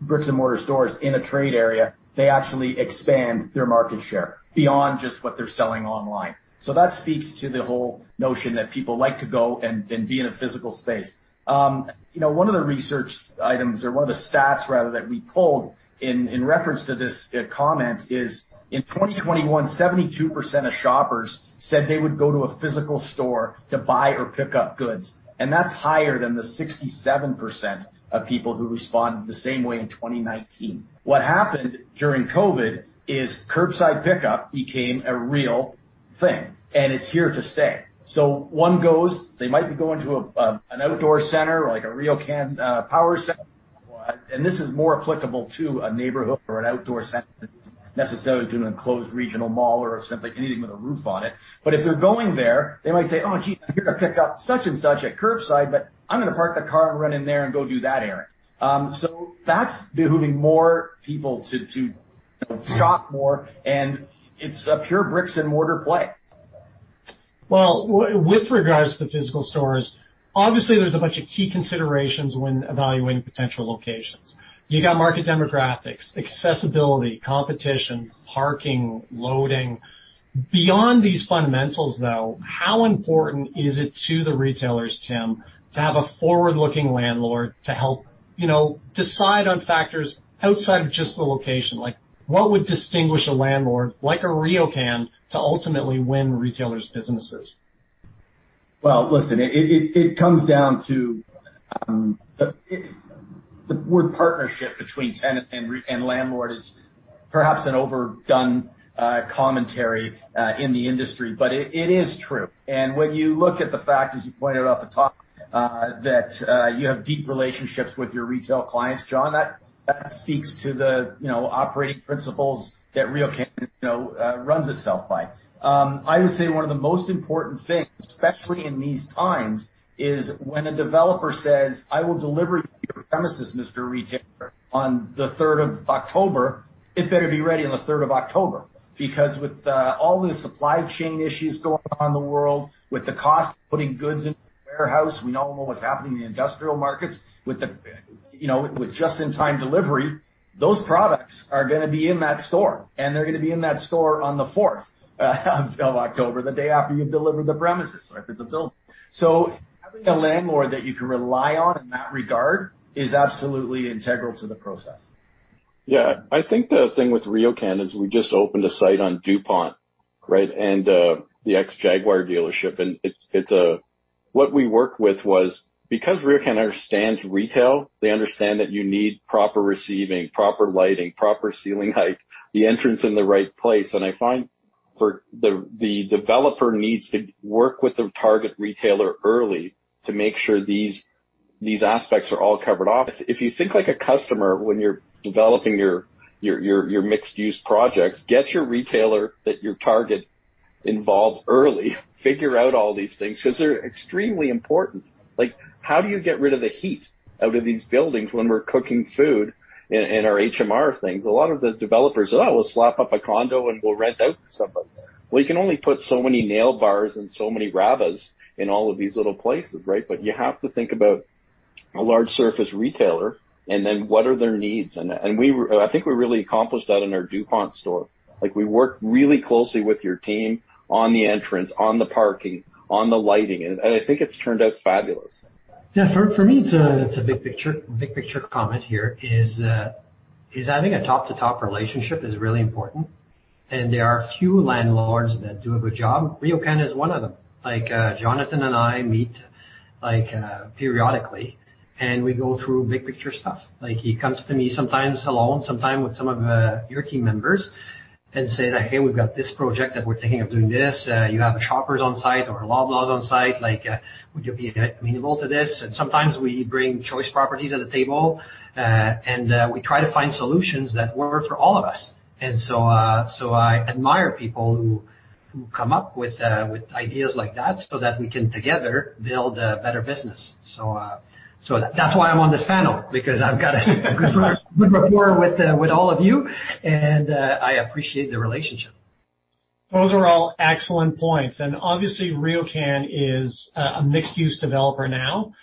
Speaker 8: bricks and mortar stores in a trade area, they actually expand their market share beyond just what they're selling online. That speaks to the whole notion that people like to go and be in a physical space. You know, one of the research items or one of the stats rather that we pulled in reference to this, comment is, in 2021, 72% of shoppers said they would go to a physical store to buy or pick up goods, and that's higher than the 67% of people who responded the same way in 2019. What happened during COVID is curbside pickup became a real thing, and it's here to stay. One goes, they might be going to a, an outdoor center or like a RioCan, power center, and this is more applicable to a neighborhood or an outdoor center than necessarily to an enclosed regional mall or simply anything with a roof on it. If they're going there, they might say, "Oh, gee, I'm here to pick up such and such at curbside, but I'm gonna park the car and run in there and go do that errand." So that's behooving more people to shop more, and it's a pure bricks and mortar play.
Speaker 3: Well, with regards to physical stores, obviously, there's a bunch of key considerations when evaluating potential locations. You got market demographics, accessibility, competition, parking, loading. Beyond these fundamentals, though, how important is it to the retailers, Tim, to have a forward-looking landlord to help, you know, decide on factors outside of just the location? Like, what would distinguish a landlord like a RioCan to ultimately win retailers' businesses?
Speaker 8: Well, listen, it comes down to the word partnership between tenant and landlord is perhaps an overdone commentary in the industry, but it is true. When you look at the fact, as you pointed out at the top, that you have deep relationships with your retail clients, John, that speaks to the operating principles that RioCan runs itself by. I would say one of the most important things, especially in these times, is when a developer says, "I will deliver you your premises, Mr. Retailer, on the third of October," it better be ready on the third of October. Because with all the supply chain issues going on in the world, with the cost of putting goods in the warehouse, we all know what's happening in the industrial markets, with you know, with just-in-time delivery, those products are gonna be in that store, and they're gonna be in that store on the fourth of October, the day after you deliver the premises or if it's a building. Having a landlord that you can rely on in that regard is absolutely integral to the process.
Speaker 6: Yeah. I think the thing with RioCan is we just opened a site on DuPont, right? The ex-Jaguar dealership, and it's a... What we worked with was because RioCan understands retail, they understand that you need proper receiving, proper lighting, proper ceiling height, the entrance in the right place. I find for the developer needs to work with the target retailer early to make sure these aspects are all covered off. If you think like a customer when you're developing your mixed use projects, get your target retailer involved early. Figure out all these things because they're extremely important. Like, how do you get rid of the heat out of these buildings when we're cooking food in our HMR things? A lot of the developers are, "Oh, we'll slap up a condo, and we'll rent out to somebody." Well, you can only put so many nail bars and so many Rexall in all of these little places, right? You have to think about a large surface retailer and then what are their needs. I think we really accomplished that in our DuPont store. Like, we worked really closely with your team on the entrance, on the parking, on the lighting, and I think it's turned out fabulous.
Speaker 7: Yeah. For me, it's a big picture comment here is having a top-to-top relationship is really important, and there are few landlords that do a good job. RioCan is one of them. Like, Jonathan and I meet, like, periodically, and we go through big picture stuff. Like, he comes to me sometimes alone, sometimes with some of your team members and say that, "Hey, we've got this project that we're thinking of doing this. You have a Shoppers on site or a Loblaws on site, like, would you be amenable to this?" And sometimes we bring Choice Properties to the table, and we try to find solutions that work for all of us. I admire people who come up with ideas like that so that we can together build a better business. That's why I'm on this panel because I've got a good rapport with all of you, and I appreciate the relationship.
Speaker 3: Those are all excellent points. Obviously, RioCan is a mixed use developer now.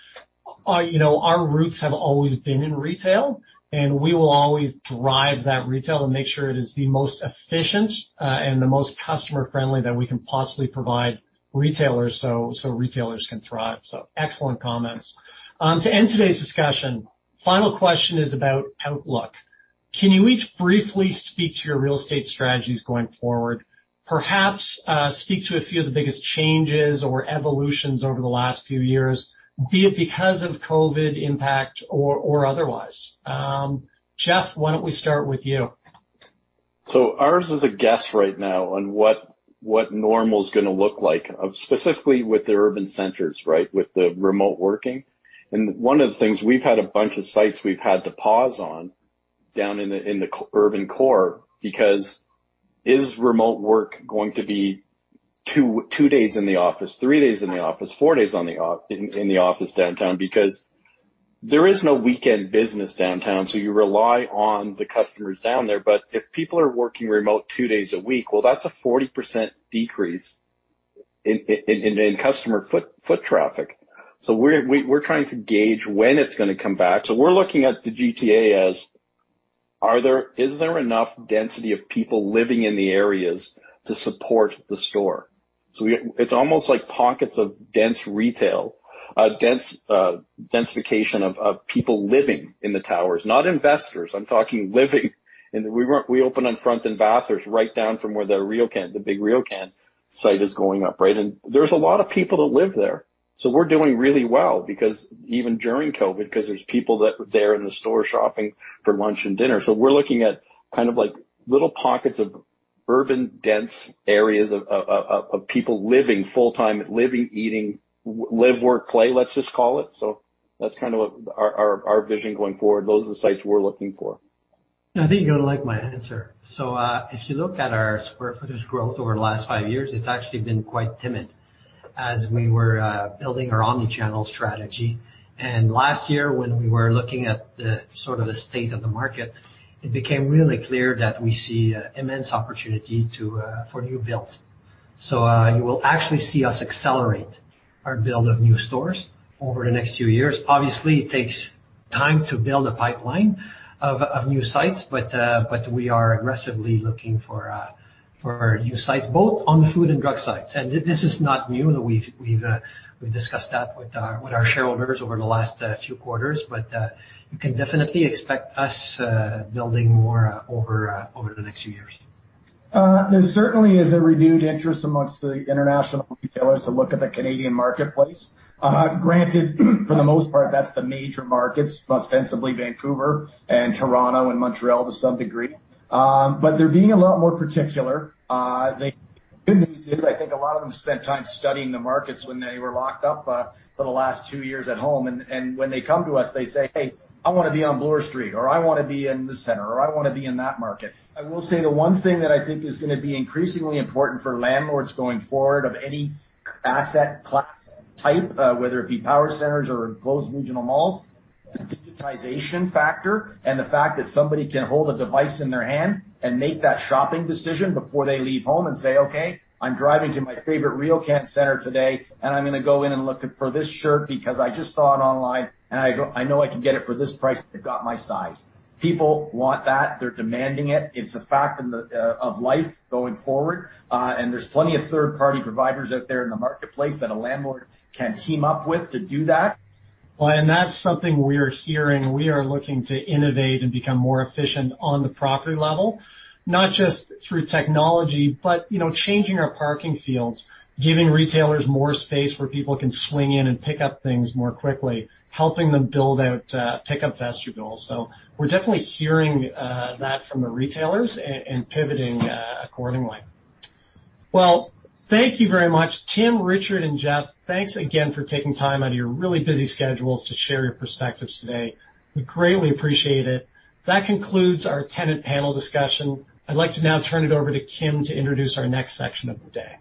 Speaker 3: You know, our roots have always been in retail, and we will always drive that retail and make sure it is the most efficient and the most customer friendly that we can possibly provide retailers so retailers can thrive. Excellent comments. To end today's discussion, final question is about outlook. Can you each briefly speak to your real estate strategies going forward? Perhaps speak to a few of the biggest changes or evolutions over the last few years, be it because of COVID impact or otherwise. Jeff, why don't we start with you?
Speaker 6: Ours is a guess right now on what normal is gonna look like, specifically with the urban centers, right? With the remote working. One of the things, we've had a bunch of sites we've had to pause on down in the urban core because is remote work going to be two days in the office, three days in the office, four days in the office downtown? Because there is no weekend business downtown, so you rely on the customers down there. If people are working remote two days a week, that's a 40% decrease in customer foot traffic. We're trying to gauge when it's gonna come back. We're looking at the GTA as are there... Is there enough density of people living in the areas to support the store? It's almost like pockets of dense retail, densification of people living in the towers, not investors. I'm talking living in we opened on Front and Bathurst right down from where the RioCan, the big RioCan site is going up, right? There's a lot of people that live there. We're doing really well because even during COVID, 'cause there's people that were there in the store shopping for lunch and dinner. We're looking at kind of like little pockets of urban dense areas of people living full-time, eating, live, work, play, let's just call it. That's kind of what our vision going forward. Those are the sites we're looking for.
Speaker 7: I think you're gonna like my answer. If you look at our square footage growth over the last five years, it's actually been quite timid as we were building our omni-channel strategy. Last year when we were looking at sort of the state of the market, it became really clear that we see immense opportunity for new builds. You will actually see us accelerate our build of new stores over the next few years. Obviously, it takes time to build a pipeline of new sites, but we are aggressively looking for new sites, both on the food and drug sites. This is not new. We've discussed that with our shareholders over the last few quarters. You can definitely expect us building more over the next few years.
Speaker 8: There certainly is a renewed interest among the international retailers to look at the Canadian marketplace. Granted, for the most part, that's the major markets, ostensibly Vancouver and Toronto and Montreal to some degree. They're being a lot more particular. The good news is I think a lot of them spent time studying the markets when they were locked up for the last two years at home. When they come to us, they say, "Hey, I wanna be on Bloor Street," or, "I wanna be in this center," or, "I wanna be in that market." I will say the one thing that I think is gonna be increasingly important for landlords going forward of any asset class type, whether it be power centers or enclosed regional malls, the digitization factor and the fact that somebody can hold a device in their hand and make that shopping decision before they leave home and say, "Okay, I'm driving to my favorite RioCan center today, and I'm gonna go in and look for this shirt because I just saw it online and I know I can get it for this price. They've got my size." People want that. They're demanding it. It's a fact of life going forward. There's plenty of third-party providers out there in the marketplace that a landlord can team up with to do that.
Speaker 3: Well, that's something we're hearing. We are looking to innovate and become more efficient on the property level, not just through technology, but, you know, changing our parking fields, giving retailers more space where people can swing in and pick up things more quickly, helping them build out pick up vestibules. So we're definitely hearing that from the retailers and pivoting accordingly. Well, thank you very much. Tim, Richard, and Jeff, thanks again for taking time out of your really busy schedules to share your perspectives today. We greatly appreciate it. That concludes our tenant panel discussion. I'd like to now turn it over to Kim to introduce our next section of the day.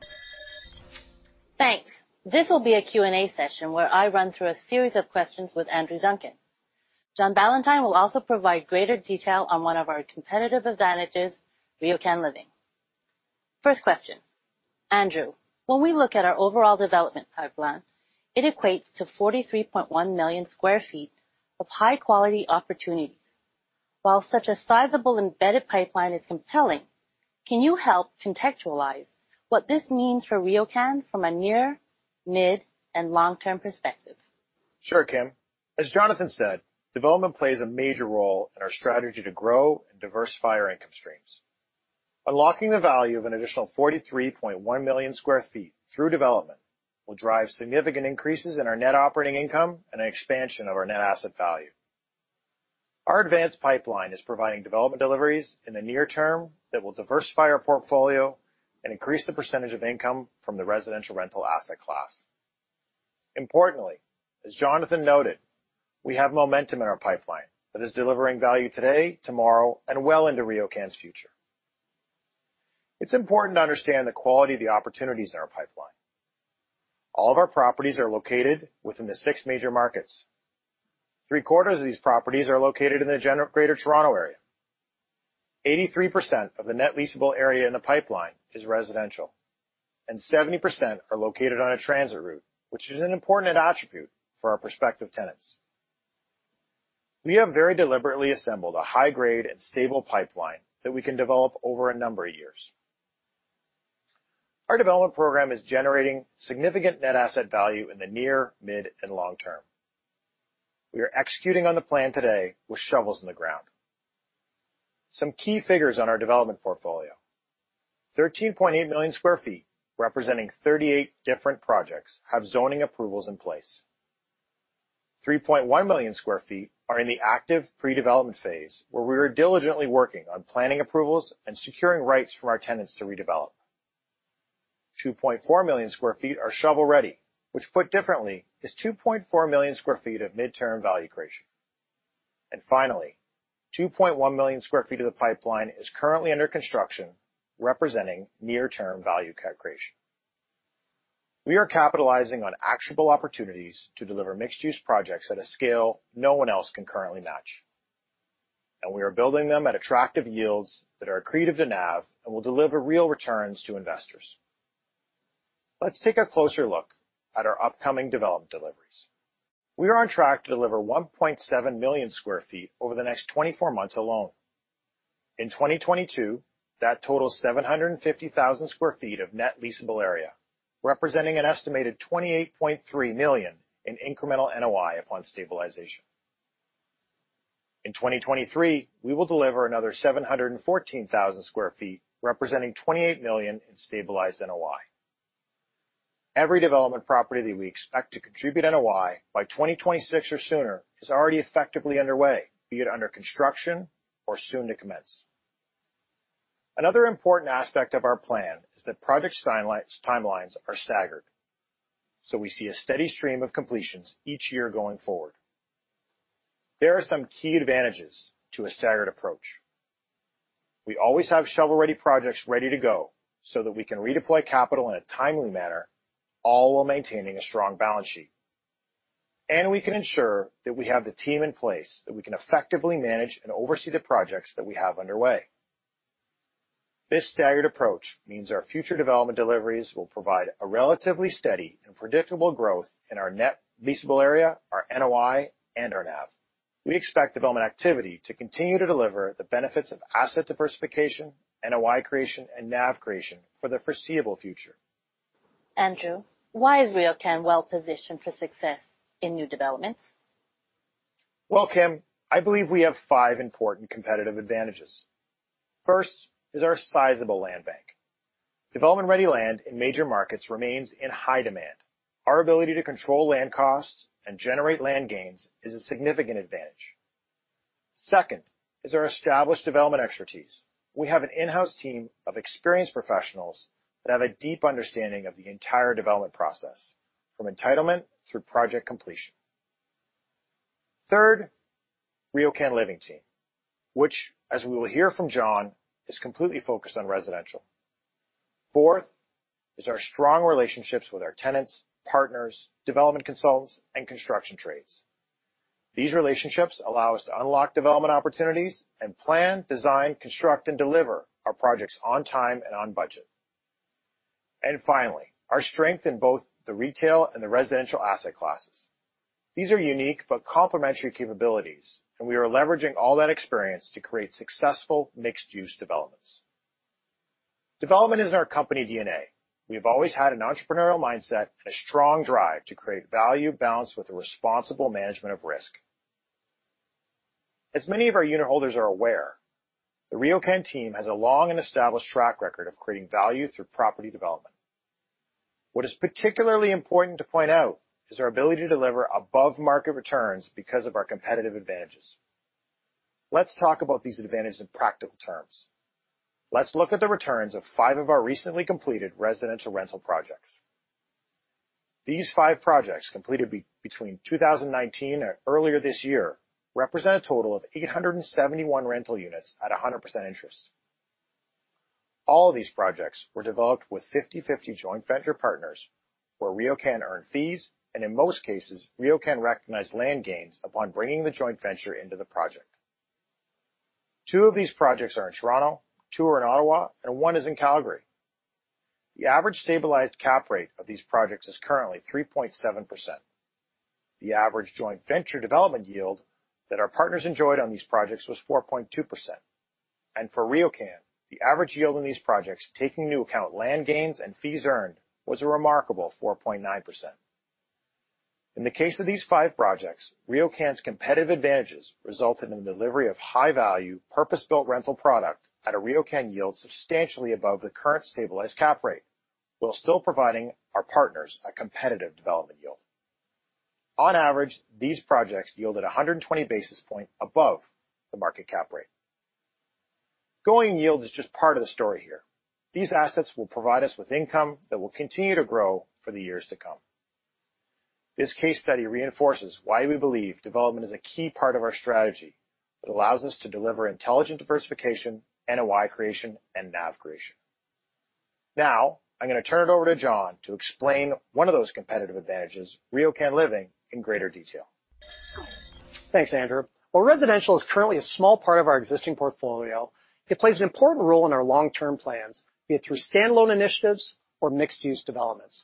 Speaker 1: Thanks. This will be a Q&A session where I run through a series of questions with Andrew Duncan. John Ballantyne will also provide greater detail on one of our competitive advantages, RioCan Living. First question. Andrew, when we look at our overall development pipeline, it equates to 43.1 million sq ft of high quality opportunities. While such a sizable embedded pipeline is compelling, can you help contextualize what this means for RioCan from a near, mid, and long-term perspective?
Speaker 9: Sure, Kim. As Jonathan said, development plays a major role in our strategy to grow and diversify our income streams. Unlocking the value of an additional 43.1 million sq ft through development will drive significant increases in our net operating income and an expansion of our net asset value. Our advanced pipeline is providing development deliveries in the near term that will diversify our portfolio and increase the percentage of income from the residential rental asset class. Importantly, as Jonathan noted, we have momentum in our pipeline that is delivering value today, tomorrow, and well into RioCan's future. It's important to understand the quality of the opportunities in our pipeline. All of our properties are located within the six major markets. Three-quarters of these properties are located in the Greater Toronto Area. 83% of the net leasable area in the pipeline is residential, and 70% are located on a transit route, which is an important attribute for our prospective tenants. We have very deliberately assembled a high grade and stable pipeline that we can develop over a number of years. Our development program is generating significant net asset value in the near, mid, and long term. We are executing on the plan today with shovels in the ground. Some key figures on our development portfolio. 13.8 million sq ft, representing 38 different projects, have zoning approvals in place. 3.1 million sq ft are in the active pre-development phase, where we are diligently working on planning approvals and securing rights from our tenants to redevelop. 2.4 million sq ft are shovel-ready, which put differently, is 2.4 million sq ft of mid-term value creation. Finally, 2.1 million sq ft of the pipeline is currently under construction, representing near-term value creation. We are capitalizing on actionable opportunities to deliver mixed-use projects at a scale no one else can currently match, and we are building them at attractive yields that are accretive to NAV and will deliver real returns to investors. Let's take a closer look at our upcoming development deliveries. We are on track to deliver 1.7 million sq ft over the next 24 months alone. In 2022, that totals 750,000 sq ft of net leasable area, representing an estimated 28.3 million in incremental NOI upon stabilization. In 2023, we will deliver another 714,000 sq ft, representing 28 million in stabilized NOI. Every development property that we expect to contribute NOI by 2026 or sooner is already effectively underway, be it under construction or soon to commence. Another important aspect of our plan is that project timelines are staggered, so we see a steady stream of completions each year going forward. There are some key advantages to a staggered approach. We always have shovel-ready projects ready to go so that we can redeploy capital in a timely manner, all while maintaining a strong balance sheet. We can ensure that we have the team in place that we can effectively manage and oversee the projects that we have underway. This staggered approach means our future development deliveries will provide a relatively steady and predictable growth in our net leasable area, our NOI, and our NAV. We expect development activity to continue to deliver the benefits of asset diversification, NOI creation, and NAV creation for the foreseeable future.
Speaker 1: Andrew, why is RioCan well positioned for success in new developments?
Speaker 9: Well, Kim, I believe we have five important competitive advantages. First is our sizable land bank. Development-ready land in major markets remains in high demand. Our ability to control land costs and generate land gains is a significant advantage. Second is our established development expertise. We have an in-house team of experienced professionals that have a deep understanding of the entire development process, from entitlement through project completion. Third, the RioCan Living team, which, as we will hear from John, is completely focused on residential. Fourth is our strong relationships with our tenants, partners, development consultants, and construction trades. These relationships allow us to unlock development opportunities and plan, design, construct, and deliver our projects on time and on budget. Finally, our strength in both the retail and the residential asset classes. These are unique but complementary capabilities, and we are leveraging all that experience to create successful mixed-use developments. Development is in our company DNA. We have always had an entrepreneurial mindset and a strong drive to create value balanced with a responsible management of risk. As many of our unit holders are aware, the RioCan team has a long and established track record of creating value through property development. What is particularly important to point out is our ability to deliver above-market returns because of our competitive advantages. Let's talk about these advantages in practical terms. Let's look at the returns of five of our recently completed residential rental projects. These five projects, completed between 2019 and earlier this year, represent a total of 871 rental units at 100% interest. All of these projects were developed with 50-50 joint venture partners where RioCan earned fees, and in most cases, RioCan recognized land gains upon bringing the joint venture into the project. Two of these projects are in Toronto, two are in Ottawa, and one is in Calgary. The average stabilized cap rate of these projects is currently 3.7%. The average joint venture development yield that our partners enjoyed on these projects was 4.2%. For RioCan, the average yield on these projects, taking into account land gains and fees earned, was a remarkable 4.9%. In the case of these five projects, RioCan's competitive advantages resulted in the delivery of high-value, purpose-built rental product at a RioCan yield substantially above the current stabilized cap rate while still providing our partners a competitive development yield. On average, these projects yielded 120 basis points above the market cap rate. Going yield is just part of the story here. These assets will provide us with income that will continue to grow for the years to come. This case study reinforces why we believe development is a key part of our strategy that allows us to deliver intelligent diversification, NOI creation, and NAV creation. Now, I'm gonna turn it over to John to explain one of those competitive advantages, RioCan Living, in greater detail.
Speaker 3: Thanks, Andrew. While residential is currently a small part of our existing portfolio, it plays an important role in our long-term plans, be it through standalone initiatives or mixed-use developments.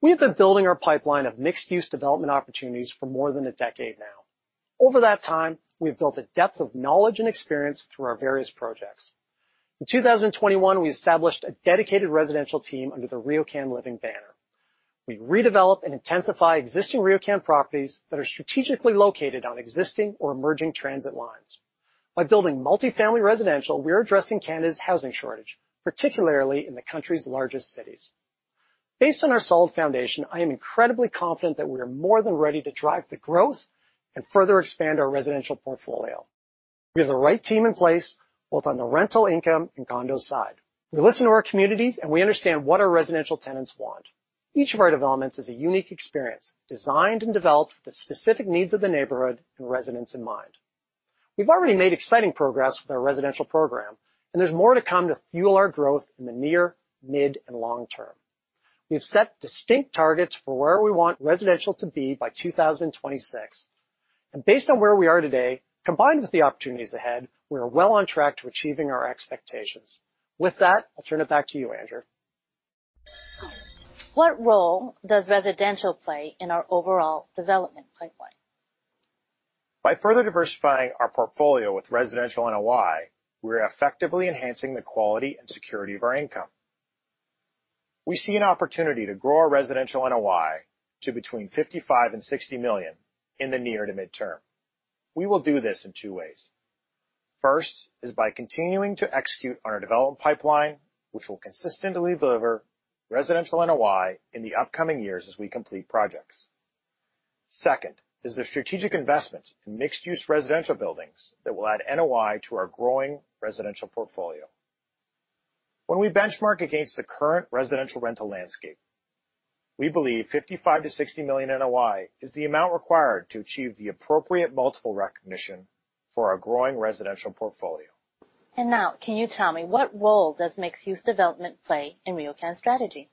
Speaker 3: We have been building our pipeline of mixed-use development opportunities for more than a decade now. Over that time, we have built a depth of knowledge and experience through our various projects. In 2021, we established a dedicated residential team under the RioCan Living banner. We redevelop and intensify existing RioCan properties that are strategically located on existing or emerging transit lines. By building multi-family residential, we are addressing Canada's housing shortage, particularly in the country's largest cities. Based on our solid foundation, I am incredibly confident that we are more than ready to drive the growth and further expand our residential portfolio. We have the right team in place, both on the rental income and condo side. We listen to our communities, and we understand what our residential tenants want. Each of our developments is a unique experience, designed and developed for the specific needs of the neighborhood and residents in mind. We've already made exciting progress with our residential program, and there's more to come to fuel our growth in the near, mid, and long term. We have set distinct targets for where we want residential to be by 2026. Based on where we are today, combined with the opportunities ahead, we are well on track to achieving our expectations. With that, I'll turn it back to you, Andrew.
Speaker 1: What role does residential play in our overall development pipeline?
Speaker 9: By further diversifying our portfolio with residential NOI, we're effectively enhancing the quality and security of our income. We see an opportunity to grow our residential NOI to between 55 million and 60 million in the near to mid-term. We will do this in two ways. First is by continuing to execute on our development pipeline, which will consistently deliver residential NOI in the upcoming years as we complete projects. Second is the strategic investment in mixed-use residential buildings that will add NOI to our growing residential portfolio. When we benchmark against the current residential rental landscape, we believe 55 million-60 million NOI is the amount required to achieve the appropriate multiple recognition for our growing residential portfolio.
Speaker 1: Can you tell me what role does mixed-use development play in RioCan's strategy?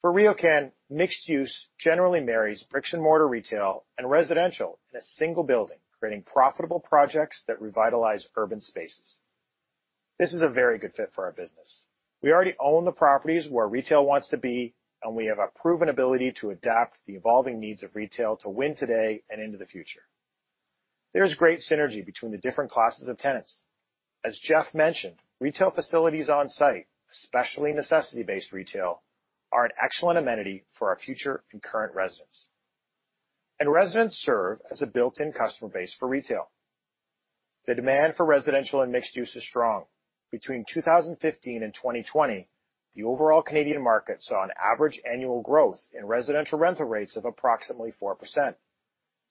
Speaker 9: For RioCan, mixed use generally marries bricks and mortar retail and residential in a single building, creating profitable projects that revitalize urban spaces. This is a very good fit for our business. We already own the properties where retail wants to be, and we have a proven ability to adapt the evolving needs of retail to win today and into the future. There's great synergy between the different classes of tenants. As Jeff mentioned, retail facilities on site, especially necessity-based retail, are an excellent amenity for our future and current residents. Residents serve as a built-in customer base for retail. The demand for residential and mixed use is strong. Between 2015 and 2020, the overall Canadian market saw an average annual growth in residential rental rates of approximately 4%.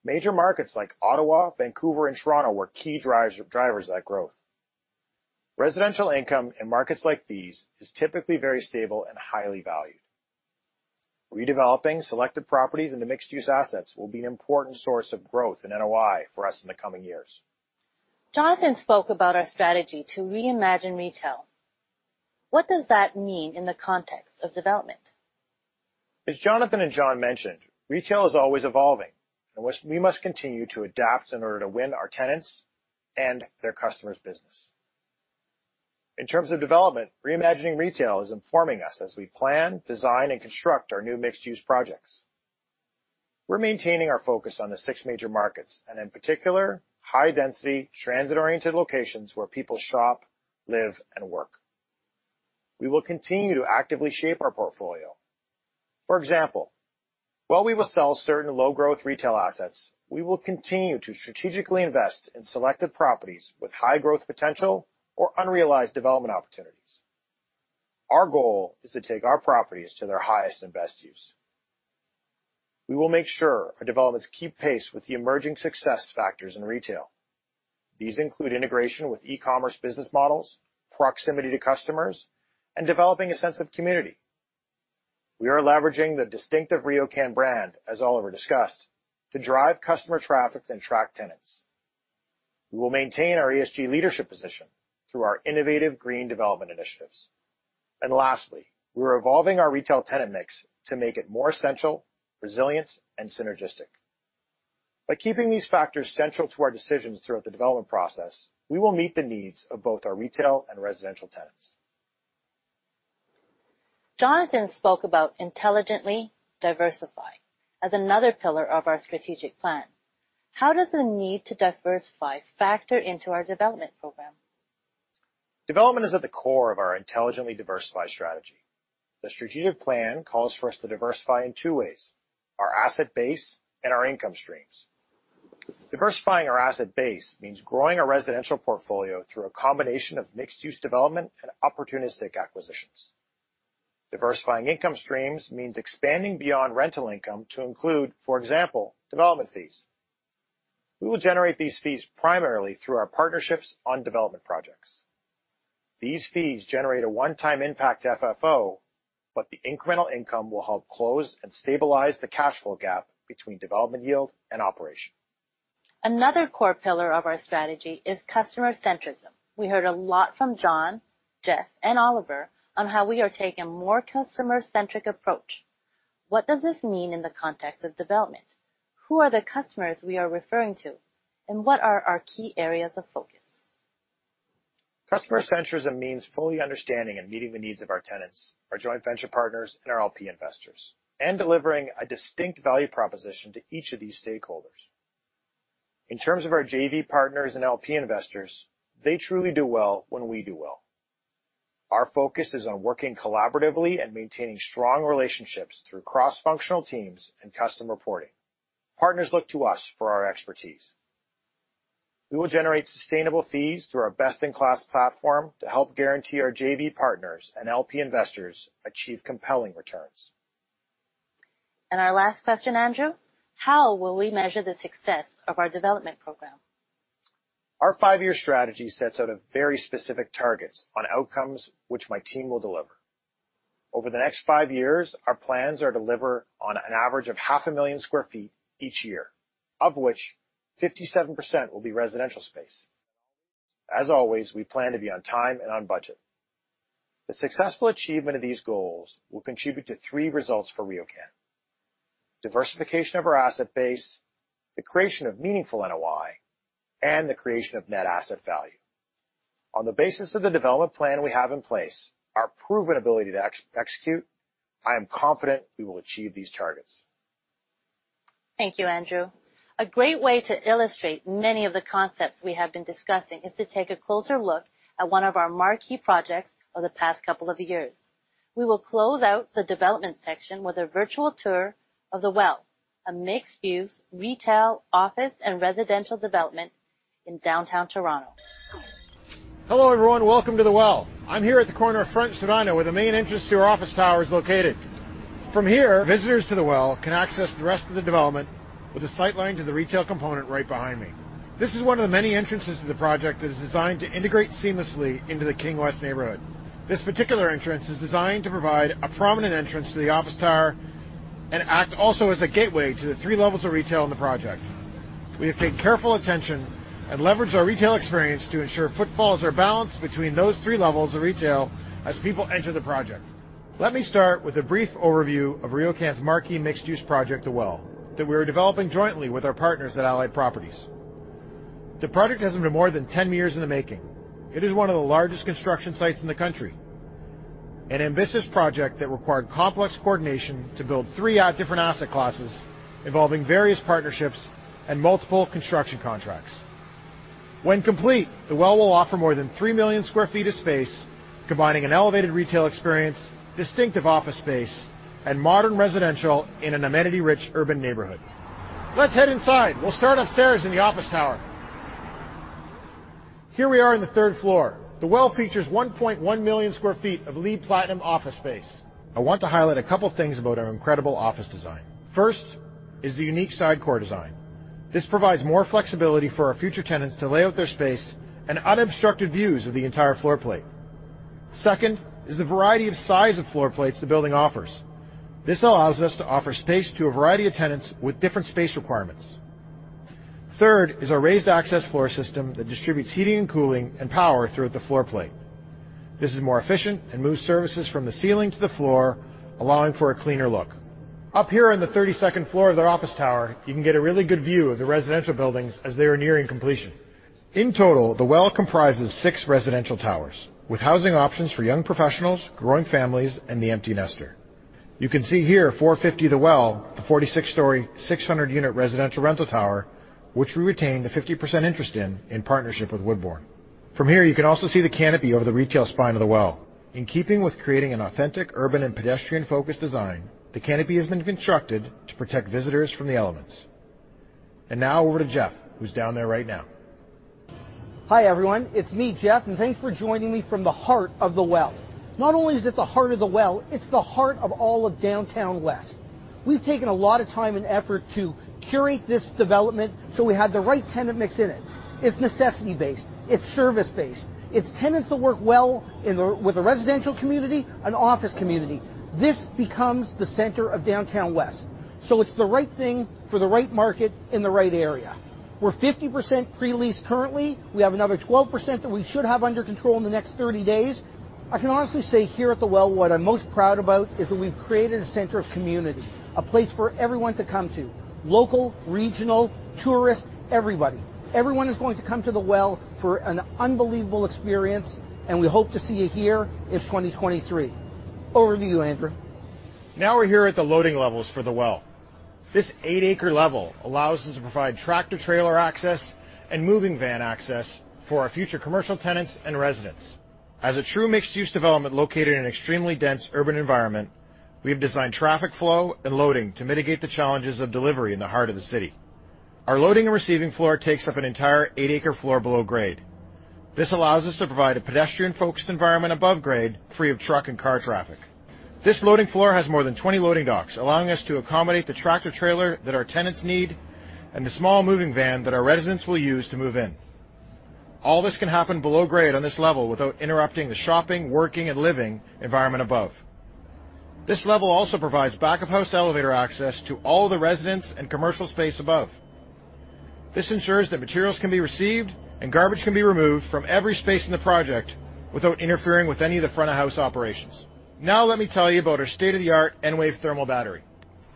Speaker 9: Major markets like Ottawa, Vancouver, and Toronto were key drivers of that growth. Residential income in markets like these is typically very stable and highly valued. Redeveloping selected properties into mixed-use assets will be an important source of growth in NOI for us in the coming years.
Speaker 1: Jonathan spoke about our strategy to reimagine retail. What does that mean in the context of development?
Speaker 9: As Jonathan and John mentioned, retail is always evolving, and we must continue to adapt in order to win our tenants and their customers' business. In terms of development, reimagining retail is informing us as we plan, design, and construct our new mixed-use projects. We're maintaining our focus on the six major markets and, in particular, high-density, transit-oriented locations where people shop, live, and work. We will continue to actively shape our portfolio. For example, while we will sell certain low-growth retail assets, we will continue to strategically invest in selected properties with high growth potential or unrealized development opportunities. Our goal is to take our properties to their highest and best use. We will make sure our developments keep pace with the emerging success factors in retail. These include integration with e-commerce business models, proximity to customers, and developing a sense of community. We are leveraging the distinctive RioCan brand, as Oliver discussed, to drive customer traffic and attract tenants. We will maintain our ESG leadership position through our innovative green development initiatives. Lastly, we're evolving our retail tenant mix to make it more essential, resilient, and synergistic. By keeping these factors central to our decisions throughout the development process, we will meet the needs of both our retail and residential tenants.
Speaker 1: Jonathan spoke about intelligently diversifying as another pillar of our strategic plan. How does the need to diversify factor into our development program?
Speaker 9: Development is at the core of our intelligently diversified strategy. The strategic plan calls for us to diversify in two ways, our asset base and our income streams. Diversifying our asset base means growing our residential portfolio through a combination of mixed-use development and opportunistic acquisitions. Diversifying income streams means expanding beyond rental income to include, for example, development fees. We will generate these fees primarily through our partnerships on development projects. These fees generate a one-time impact to FFO, but the incremental income will help close and stabilize the cash flow gap between development yield and operation.
Speaker 1: Another core pillar of our strategy is customer centrism. We heard a lot from John, Jeff, and Oliver on how we are taking a more customer-centric approach. What does this mean in the context of development? Who are the customers we are referring to, and what are our key areas of focus?
Speaker 9: Customer centrism means fully understanding and meeting the needs of our tenants, our joint venture partners, and our LP investors, and delivering a distinct value proposition to each of these stakeholders. In terms of our JV partners and LP investors, they truly do well when we do well. Our focus is on working collaboratively and maintaining strong relationships through cross-functional teams and custom reporting. Partners look to us for our expertise. We will generate sustainable fees through our best-in-class platform to help guarantee our JV partners and LP investors achieve compelling returns.
Speaker 1: Our last question, Andrew: How will we measure the success of our development program?
Speaker 9: Our 5-year strategy sets out very specific targets on outcomes which my team will deliver. Over the next 5 years, our plans are to deliver on an average of half a million sq ft each year, of which 57% will be residential space. As always, we plan to be on time and on budget. The successful achievement of these goals will contribute to 3 results for RioCan. Diversification of our asset base, the creation of meaningful NOI, and the creation of net asset value. On the basis of the development plan we have in place, our proven ability to execute, I am confident we will achieve these targets.
Speaker 1: Thank you, Andrew. A great way to illustrate many of the concepts we have been discussing is to take a closer look at one of our marquee projects of the past couple of years. We will close out the development section with a virtual tour of The Well, a mixed-use retail office and residential development in Downtown Toronto.
Speaker 9: Hello, everyone. Welcome to The Well. I'm here at the corner of Front and Spadina, where the main entrance to our office tower is located. From here, visitors to The Well can access the rest of the development with a sight line to the retail component right behind me. This is one of the many entrances to the project that is designed to integrate seamlessly into the King West neighborhood. This particular entrance is designed to provide a prominent entrance to the office tower and act also as a gateway to the three levels of retail in the project. We have paid careful attention and leveraged our retail experience to ensure footfalls are balanced between those three levels of retail as people enter the project. Let me start with a brief overview of RioCan's marquee mixed-use project, The Well, that we are developing jointly with our partners at Allied Properties. The project has been more than 10 years in the making. It is one of the largest construction sites in the country, an ambitious project that required complex coordination to build three of different asset classes, involving various partnerships and multiple construction contracts. When complete, The Well will offer more than 3 million sq ft of space, combining an elevated retail experience, distinctive office space, and modern residential in an amenity-rich urban neighborhood. Let's head inside. We'll start upstairs in the office tower. Here we are on the 3rd floor. The Well features 1.1 million sq ft of LEED Platinum office space. I want to highlight a couple things about our incredible office design. First is the unique side core design. This provides more flexibility for our future tenants to lay out their space and unobstructed views of the entire floor plate. Second is the variety of size of floor plates the building offers. This allows us to offer space to a variety of tenants with different space requirements. Third is our raised access floor system that distributes heating and cooling and power throughout the floor plate. This is more efficient and moves services from the ceiling to the floor, allowing for a cleaner look. Up here on the 32nd floor of the office tower, you can get a really good view of the residential buildings as they are nearing completion. In total, The Well comprises six residential towers, with housing options for young professionals, growing families, and the empty nester. You can see here, 450 The Well, the 46-story, 600-unit residential rental tower, which we retain the 50% interest in in partnership with Woodbourne. From here, you can also see the canopy over the retail spine of The Well. In keeping with creating an authentic urban and pedestrian-focused design, the canopy has been constructed to protect visitors from the elements. Now, over to Jeff, who's down there right now.
Speaker 4: Hi, everyone. It's me, Jeff, and thanks for joining me from the heart of The Well. Not only is it the heart of The Well, it's the heart of all of Downtown West. We've taken a lot of time and effort to curate this development, so we have the right tenant mix in it. It's necessity-based. It's service-based. It's tenants that work well in there with a residential community and office community. This becomes the center of Downtown West, so it's the right thing for the right market in the right area. We're 50% pre-leased currently. We have another 12% that we should have under control in the next 30 days. I can honestly say, here at The Well, what I'm most proud about is that we've created a center of community, a place for everyone to come to, local, regional, tourists, everybody. Everyone is going to come to The Well for an unbelievable experience, and we hope to see you here in 2023. Over to you, Andrew.
Speaker 9: Now, we're here at the loading levels for The Well. This 8-acre level allows us to provide tractor-trailer access and moving van access for our future commercial tenants and residents. As a true mixed-use development located in an extremely dense urban environment, we have designed traffic flow and loading to mitigate the challenges of delivery in the heart of the city. Our loading and receiving floor takes up an entire 8-acre floor below grade. This allows us to provide a pedestrian-focused environment above grade, free of truck and car traffic. This loading floor has more than 20 loading docks, allowing us to accommodate the tractor-trailer that our tenants need and the small moving van that our residents will use to move in. All this can happen below grade on this level without interrupting the shopping, working, and living environment above. This level also provides back-of-house elevator access to all the residents and commercial space above. This ensures that materials can be received and garbage can be removed from every space in the project without interfering with any of the front of house operations. Now, let me tell you about our state-of-the-art Enwave thermal battery.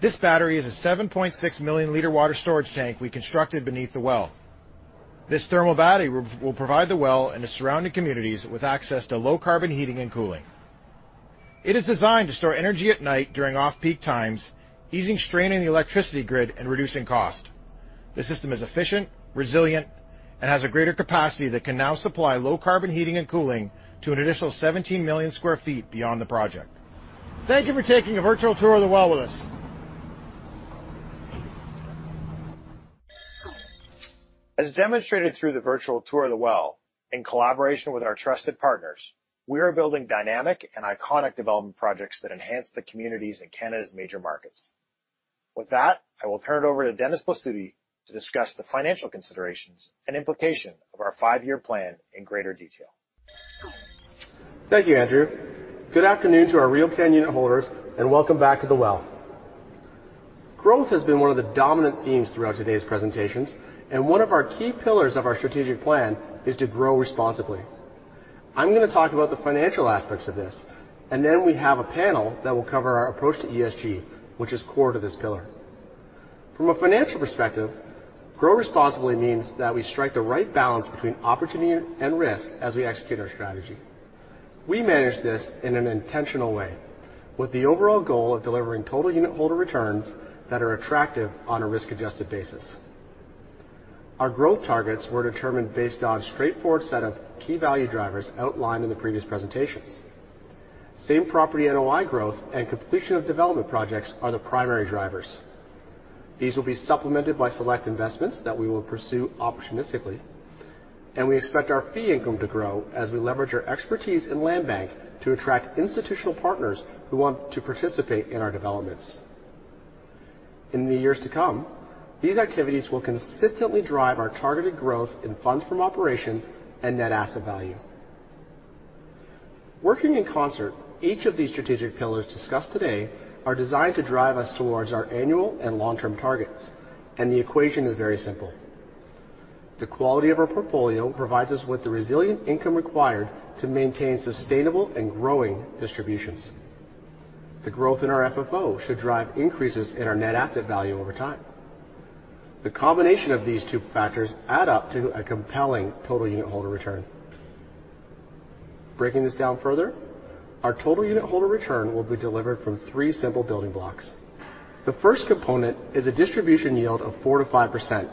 Speaker 9: This battery is a 7.6 million liter water storage tank we constructed beneath The Well. This thermal battery will provide The Well and the surrounding communities with access to low carbon heating and cooling. It is designed to store energy at night during off-peak times, easing strain in the electricity grid and reducing cost. The system is efficient, resilient, and has a greater capacity that can now supply low carbon heating and cooling to an additional 17 million sq ft beyond the project. Thank you for taking a virtual tour of The Well with us. As demonstrated through the virtual tour of The Well, in collaboration with our trusted partners, we are building dynamic and iconic development projects that enhance the communities in Canada's major markets. With that, I will turn it over to Dennis Blasutti to discuss the financial considerations and implication of our five-year plan in greater detail.
Speaker 10: Thank you, Andrew. Good afternoon to our RioCan unit holders and welcome back to The Well. Growth has been one of the dominant themes throughout today's presentations, and one of our key pillars of our strategic plan is to grow responsibly. I'm gonna talk about the financial aspects of this, and then we have a panel that will cover our approach to ESG, which is core to this pillar. From a financial perspective, grow responsibly means that we strike the right balance between opportunity and risk as we execute our strategy. We manage this in an intentional way, with the overall goal of delivering total unit holder returns that are attractive on a risk-adjusted basis. Our growth targets were determined based on a straightforward set of key value drivers outlined in the previous presentations. Same property NOI growth and completion of development projects are the primary drivers. These will be supplemented by select investments that we will pursue opportunistically, and we expect our fee income to grow as we leverage our expertise in land bank to attract institutional partners who want to participate in our developments. In the years to come, these activities will consistently drive our targeted growth in funds from operations and net asset value. Working in concert, each of these strategic pillars discussed today are designed to drive us towards our annual and long-term targets, and the equation is very simple. The quality of our portfolio provides us with the resilient income required to maintain sustainable and growing distributions. The growth in our FFO should drive increases in our net asset value over time. The combination of these two factors add up to a compelling total unit holder return. Breaking this down further, our total unit holder return will be delivered from three simple building blocks. The first component is a distribution yield of 4%-5%,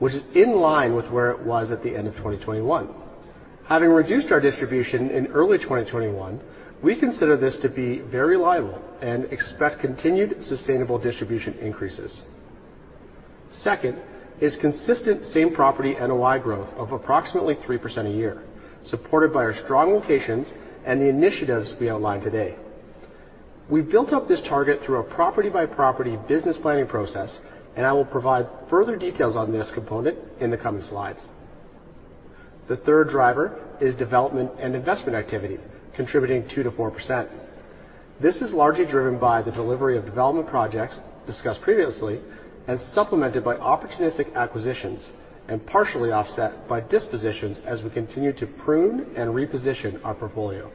Speaker 10: which is in line with where it was at the end of 2021. Having reduced our distribution in early 2021, we consider this to be very reliable and expect continued sustainable distribution increases. Second is consistent same property NOI growth of approximately 3% a year, supported by our strong locations and the initiatives we outlined today. We built up this target through a property-by-property business planning process, and I will provide further details on this component in the coming slides. The third driver is development and investment activity contributing 2%-4%. This is largely driven by the delivery of development projects discussed previously, as supplemented by opportunistic acquisitions and partially offset by dispositions as we continue to prune and reposition our portfolio.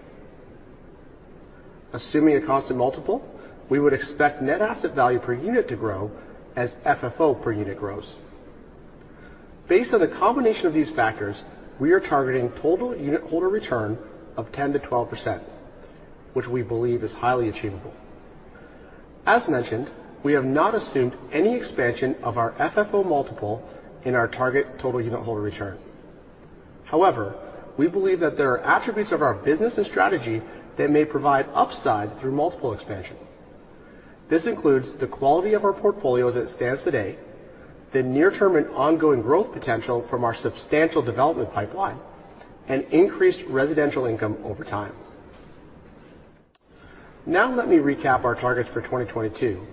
Speaker 10: Assuming a constant multiple, we would expect net asset value per unit to grow as FFO per unit grows. Based on the combination of these factors, we are targeting total unit holder return of 10%-12%, which we believe is highly achievable. As mentioned, we have not assumed any expansion of our FFO multiple in our target total unit holder return. However, we believe that there are attributes of our business and strategy that may provide upside through multiple expansion. This includes the quality of our portfolio as it stands today, the near-term and ongoing growth potential from our substantial development pipeline, and increased residential income over time. Now let me recap our targets for 2022,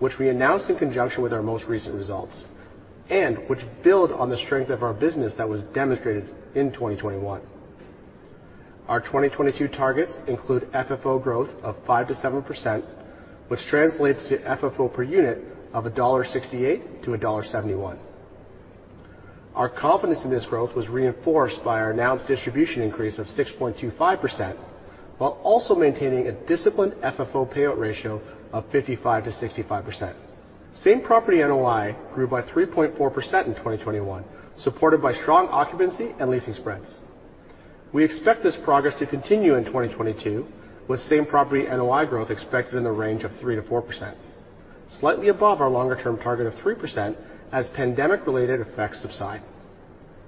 Speaker 10: which we announced in conjunction with our most recent results, and which build on the strength of our business that was demonstrated in 2021. Our 2022 targets include FFO growth of 5%-7%, which translates to FFO per unit of 1.68-1.71 dollar. Our confidence in this growth was reinforced by our announced distribution increase of 6.25%, while also maintaining a disciplined FFO payout ratio of 55%-65%. Same property NOI grew by 3.4% in 2021, supported by strong occupancy and leasing spreads. We expect this progress to continue in 2022, with same property NOI growth expected in the range of 3%-4%, slightly above our longer term target of 3% as pandemic-related effects subside.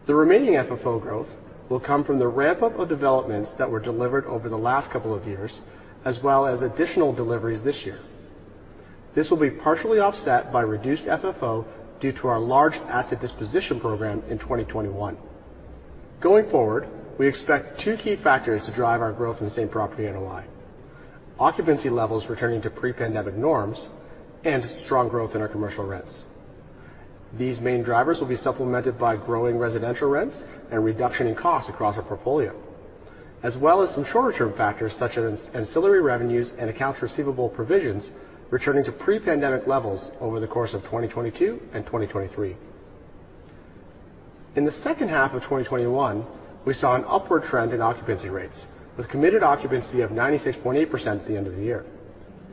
Speaker 10: The remaining FFO growth will come from the ramp-up of developments that were delivered over the last couple of years, as well as additional deliveries this year. This will be partially offset by reduced FFO due to our large asset disposition program in 2021. Going forward, we expect two key factors to drive our growth in same-property NOI, occupancy levels returning to pre-pandemic norms and strong growth in our commercial rents. These main drivers will be supplemented by growing residential rents and reduction in costs across our portfolio, as well as some shorter-term factors such as ancillary revenues and accounts receivable provisions returning to pre-pandemic levels over the course of 2022 and 2023. In the second half of 2021, we saw an upward trend in occupancy rates with committed occupancy of 96.8% at the end of the year.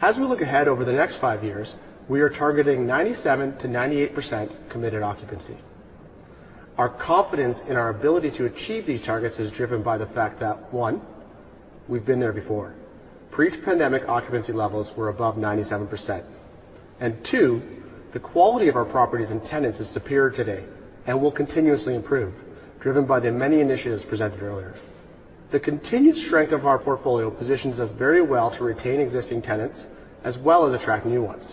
Speaker 10: As we look ahead over the next 5 years, we are targeting 97%-98% committed occupancy. Our confidence in our ability to achieve these targets is driven by the fact that, 1, we've been there before. Pre-pandemic occupancy levels were above 97%. Two, the quality of our properties and tenants is superior today and will continuously improve, driven by the many initiatives presented earlier. The continued strength of our portfolio positions us very well to retain existing tenants, as well as attract new ones.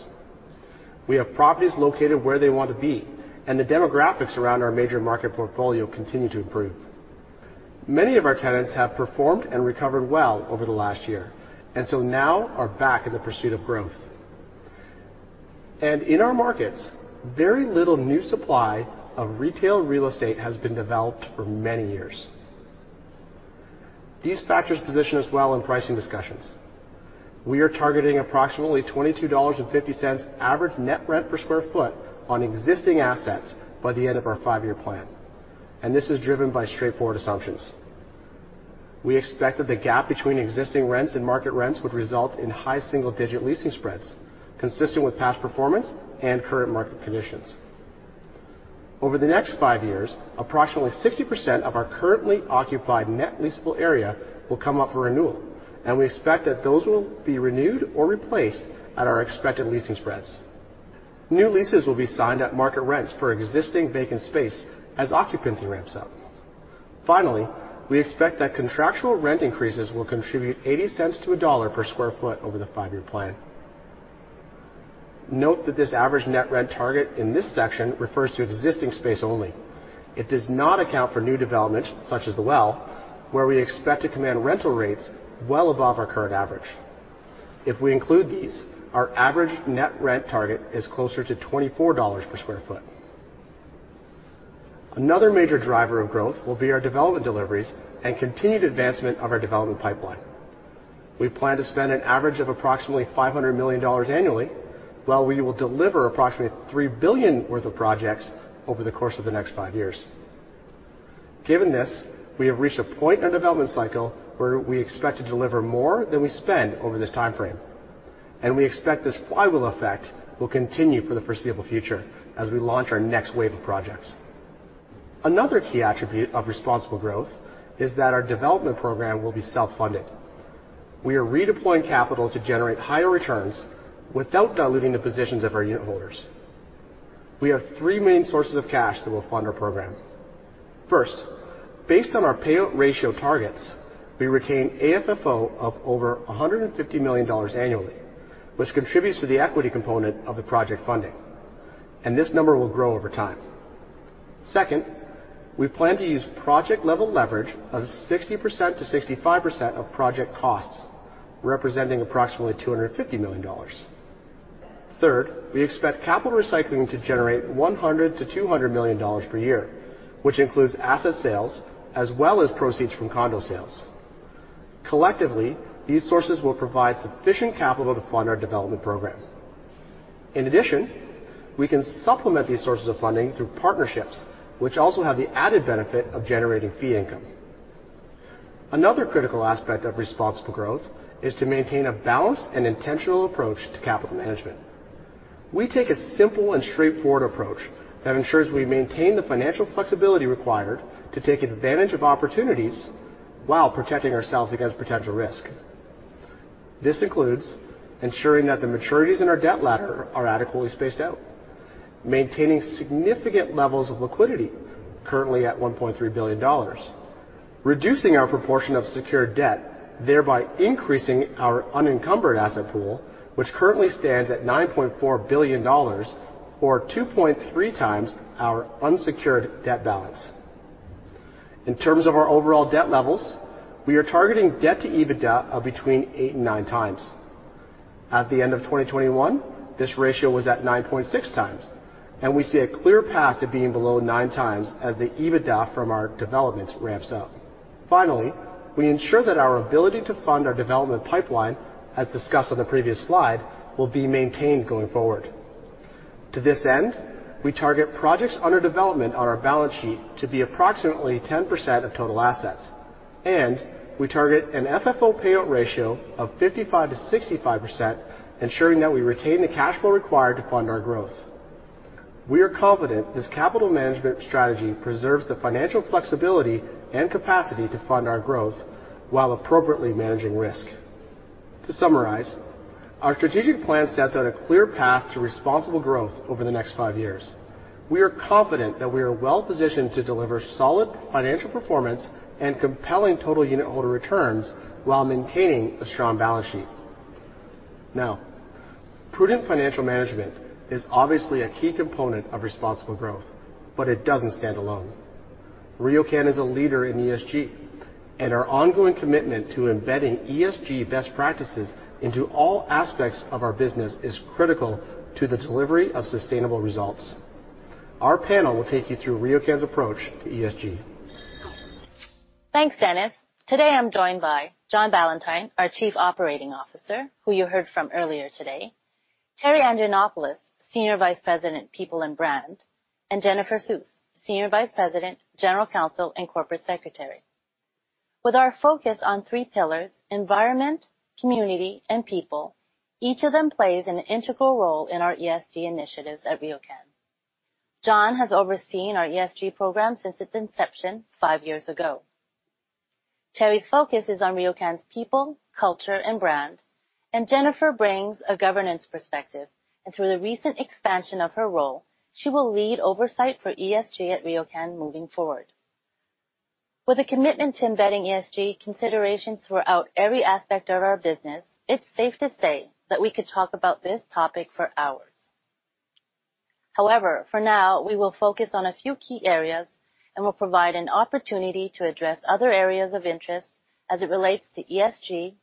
Speaker 10: We have properties located where they want to be, and the demographics around our major market portfolio continue to improve. Many of our tenants have performed and recovered well over the last year, and so now are back in the pursuit of growth. In our markets, very little new supply of retail real estate has been developed for many years. These factors position us well in pricing discussions. We are targeting approximately 22.50 dollars average net rent per sq ft on existing assets by the end of our 5-year plan. This is driven by straightforward assumptions. We expect that the gap between existing rents and market rents would result in high single-digit leasing spreads, consistent with past performance and current market conditions. Over the next 5 years, approximately 60% of our currently occupied net leasable area will come up for renewal, and we expect that those will be renewed or replaced at our expected leasing spreads. New leases will be signed at market rents for existing vacant space as occupancy ramps up. Finally, we expect that contractual rent increases will contribute 0.80-1.00 dollar per sq ft over the 5-year plan. Note that this average net rent target in this section refers to existing space only. It does not account for new developments such as The Well, where we expect to command rental rates well above our current average. If we include these, our average net rent target is closer to 24 dollars per sq ft. Another major driver of growth will be our development deliveries and continued advancement of our development pipeline. We plan to spend an average of approximately 500 million dollars annually, while we will deliver approximately 3 billion worth of projects over the course of the next 5 years. Given this, we have reached a point in our development cycle where we expect to deliver more than we spend over this time frame, and we expect this flywheel effect will continue for the foreseeable future as we launch our next wave of projects. Another key attribute of responsible growth is that our development program will be self-funded. We are redeploying capital to generate higher returns without diluting the positions of our unit holders. We have three main sources of cash that will fund our program. First, based on our payout ratio targets, we retain AFFO of over 150 million dollars annually, which contributes to the equity component of the project funding, and this number will grow over time. Second, we plan to use project-level leverage of 60%-65% of project costs, representing approximately 250 million dollars. Third, we expect capital recycling to generate 100 million-200 million dollars per year, which includes asset sales as well as proceeds from condo sales. Collectively, these sources will provide sufficient capital to fund our development program. In addition, we can supplement these sources of funding through partnerships, which also have the added benefit of generating fee income. Another critical aspect of responsible growth is to maintain a balanced and intentional approach to capital management. We take a simple and straightforward approach that ensures we maintain the financial flexibility required to take advantage of opportunities while protecting ourselves against potential risk. This includes ensuring that the maturities in our debt ladder are adequately spaced out, maintaining significant levels of liquidity, currently at 1.3 billion dollars, reducing our proportion of secured debt, thereby increasing our unencumbered asset pool, which currently stands at 9.4 billion dollars or 2.3 times our unsecured debt balance. In terms of our overall debt levels, we are targeting debt to EBITDA of between 8-9 times. At the end of 2021, this ratio was at 9.6 times, and we see a clear path to being below 9 times as the EBITDA from our developments ramps up. Finally, we ensure that our ability to fund our development pipeline, as discussed on the previous slide, will be maintained going forward. To this end, we target projects under development on our balance sheet to be approximately 10% of total assets, and we target an FFO payout ratio of 55%-65%, ensuring that we retain the cash flow required to fund our growth. We are confident this capital management strategy preserves the financial flexibility and capacity to fund our growth while appropriately managing risk. To summarize, our strategic plan sets out a clear path to responsible growth over the next five years. We are confident that we are well positioned to deliver solid financial performance and compelling total unit holder returns while maintaining a strong balance sheet. Now, prudent financial management is obviously a key component of responsible growth, but it doesn't stand alone. RioCan is a leader in ESG, and our ongoing commitment to embedding ESG best practices into all aspects of our business is critical to the delivery of sustainable results. Our panel will take you through RioCan's approach to ESG.
Speaker 1: Thanks, Dennis. Today I'm joined by John Ballantyne, our Chief Operating Officer, who you heard from earlier today, Terri Andrianopoulos, Senior Vice President, People and Brand, and Jennifer Suess, Senior Vice President, General Counsel, and Corporate Secretary. With our focus on three pillars, environment, community, and people, each of them plays an integral role in our ESG initiatives at RioCan. John has overseen our ESG program since its inception five years ago. Terris focus is on RioCan's people, culture, and brand, and Jennifer brings a governance perspective. Through the recent expansion of her role, she will lead oversight for ESG at RioCan moving forward. With a commitment to embedding ESG considerations throughout every aspect of our business, it's safe to say that we could talk about this topic for hours. However, for now, we will focus on a few key areas and we'll provide an opportunity to address other areas of interest as it relates to ESG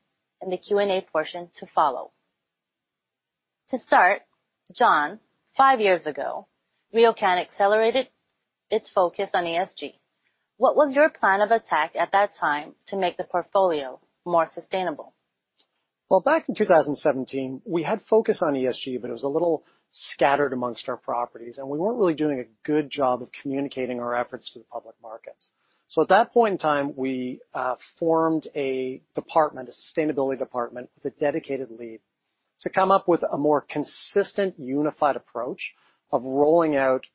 Speaker 1: in the Q&A portion to follow. To start, John, five years ago, RioCan accelerated its focus on ESG. What was your plan of attack at that time to make the portfolio more sustainable?
Speaker 3: Well, back in 2017, we had focused on ESG, but it was a little scattered amongst our properties, and we weren't really doing a good job of communicating our efforts to the public markets. At that point in time, we formed a department, a sustainability department with a dedicated lead to come up with a more consistent, unified approach of rolling out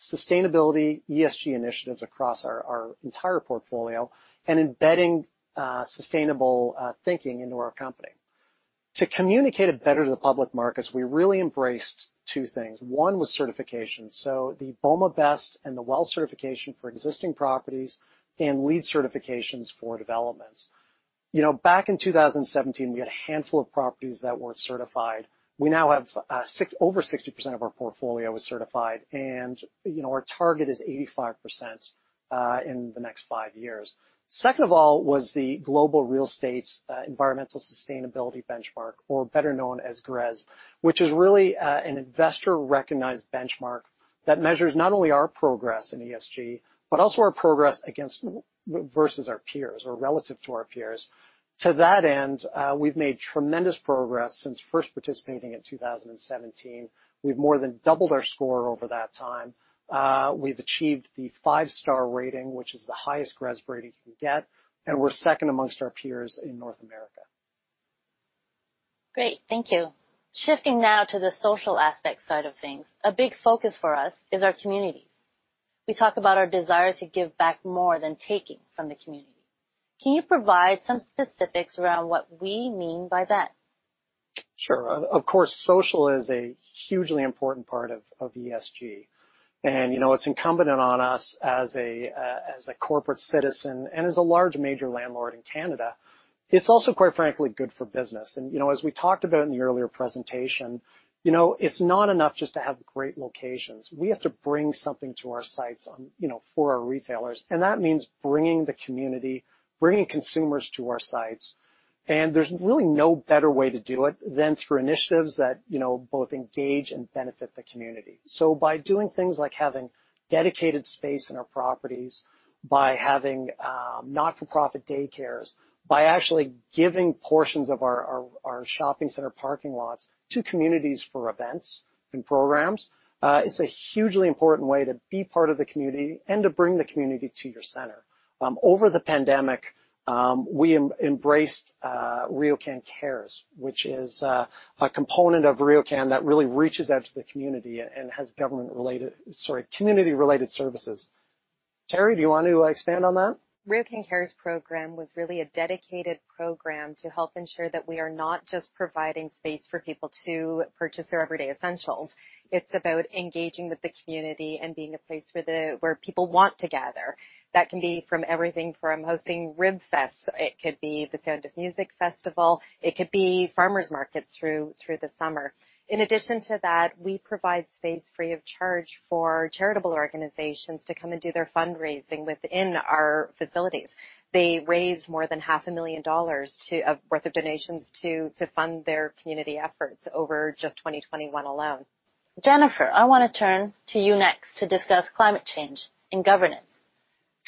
Speaker 3: sustainability ESG initiatives across our entire portfolio and embedding sustainable thinking into our company. To communicate it better to the public markets, we really embraced two things. One was certification. The BOMA BEST and the WELL certification for existing properties and LEED certifications for developments. You know, back in 2017, we had a handful of properties that weren't certified. We now have six... Over 60% of our portfolio is certified, and, you know, our target is 85% in the next 5 years. Second of all was the Global Real Estate Sustainability Benchmark, or better known as GRESB, which is really an investor-recognized benchmark that measures not only our progress in ESG, but also our progress against our peers or relative to our peers. To that end, we've made tremendous progress since first participating in 2017. We've more than doubled our score over that time. We've achieved the five-star rating, which is the highest GRESB rating you can get, and we're second amongst our peers in North America.
Speaker 1: Great. Thank you. Shifting now to the social aspect side of things, a big focus for us is our communities. We talk about our desire to give back more than taking from the community. Can you provide some specifics around what we mean by that?
Speaker 3: Sure. Of course, social is a hugely important part of ESG. You know, it's incumbent on us as a corporate citizen and as a large major landlord in Canada. It's also, quite frankly, good for business. You know, as we talked about in the earlier presentation, you know, it's not enough just to have great locations. We have to bring something to our sites, you know, for our retailers, and that means bringing consumers to our sites. There's really no better way to do it than through initiatives that, you know, both engage and benefit the community. By doing things like having dedicated space in our properties, by having not-for-profit daycares, by actually giving portions of our shopping center parking lots to communities for events and programs is a hugely important way to be part of the community and to bring the community to your center. Over the pandemic, we embraced RioCan Cares, which is a component of RioCan that really reaches out to the community and has community-related services. Terri, do you want to expand on that?
Speaker 11: RioCan Cares program was really a dedicated program to help ensure that we are not just providing space for people to purchase their everyday essentials. It's about engaging with the community and being a place where people want to gather. That can be from everything from hosting rib fests. It could be the Sound of Music Festival. It could be farmers markets through the summer. In addition to that, we provide space free of charge for charitable organizations to come and do their fundraising within our facilities. They raised more than half a million dollars worth of donations to fund their community efforts over just 2021 alone.
Speaker 1: Jennifer, I wanna turn to you next to discuss climate change and governance.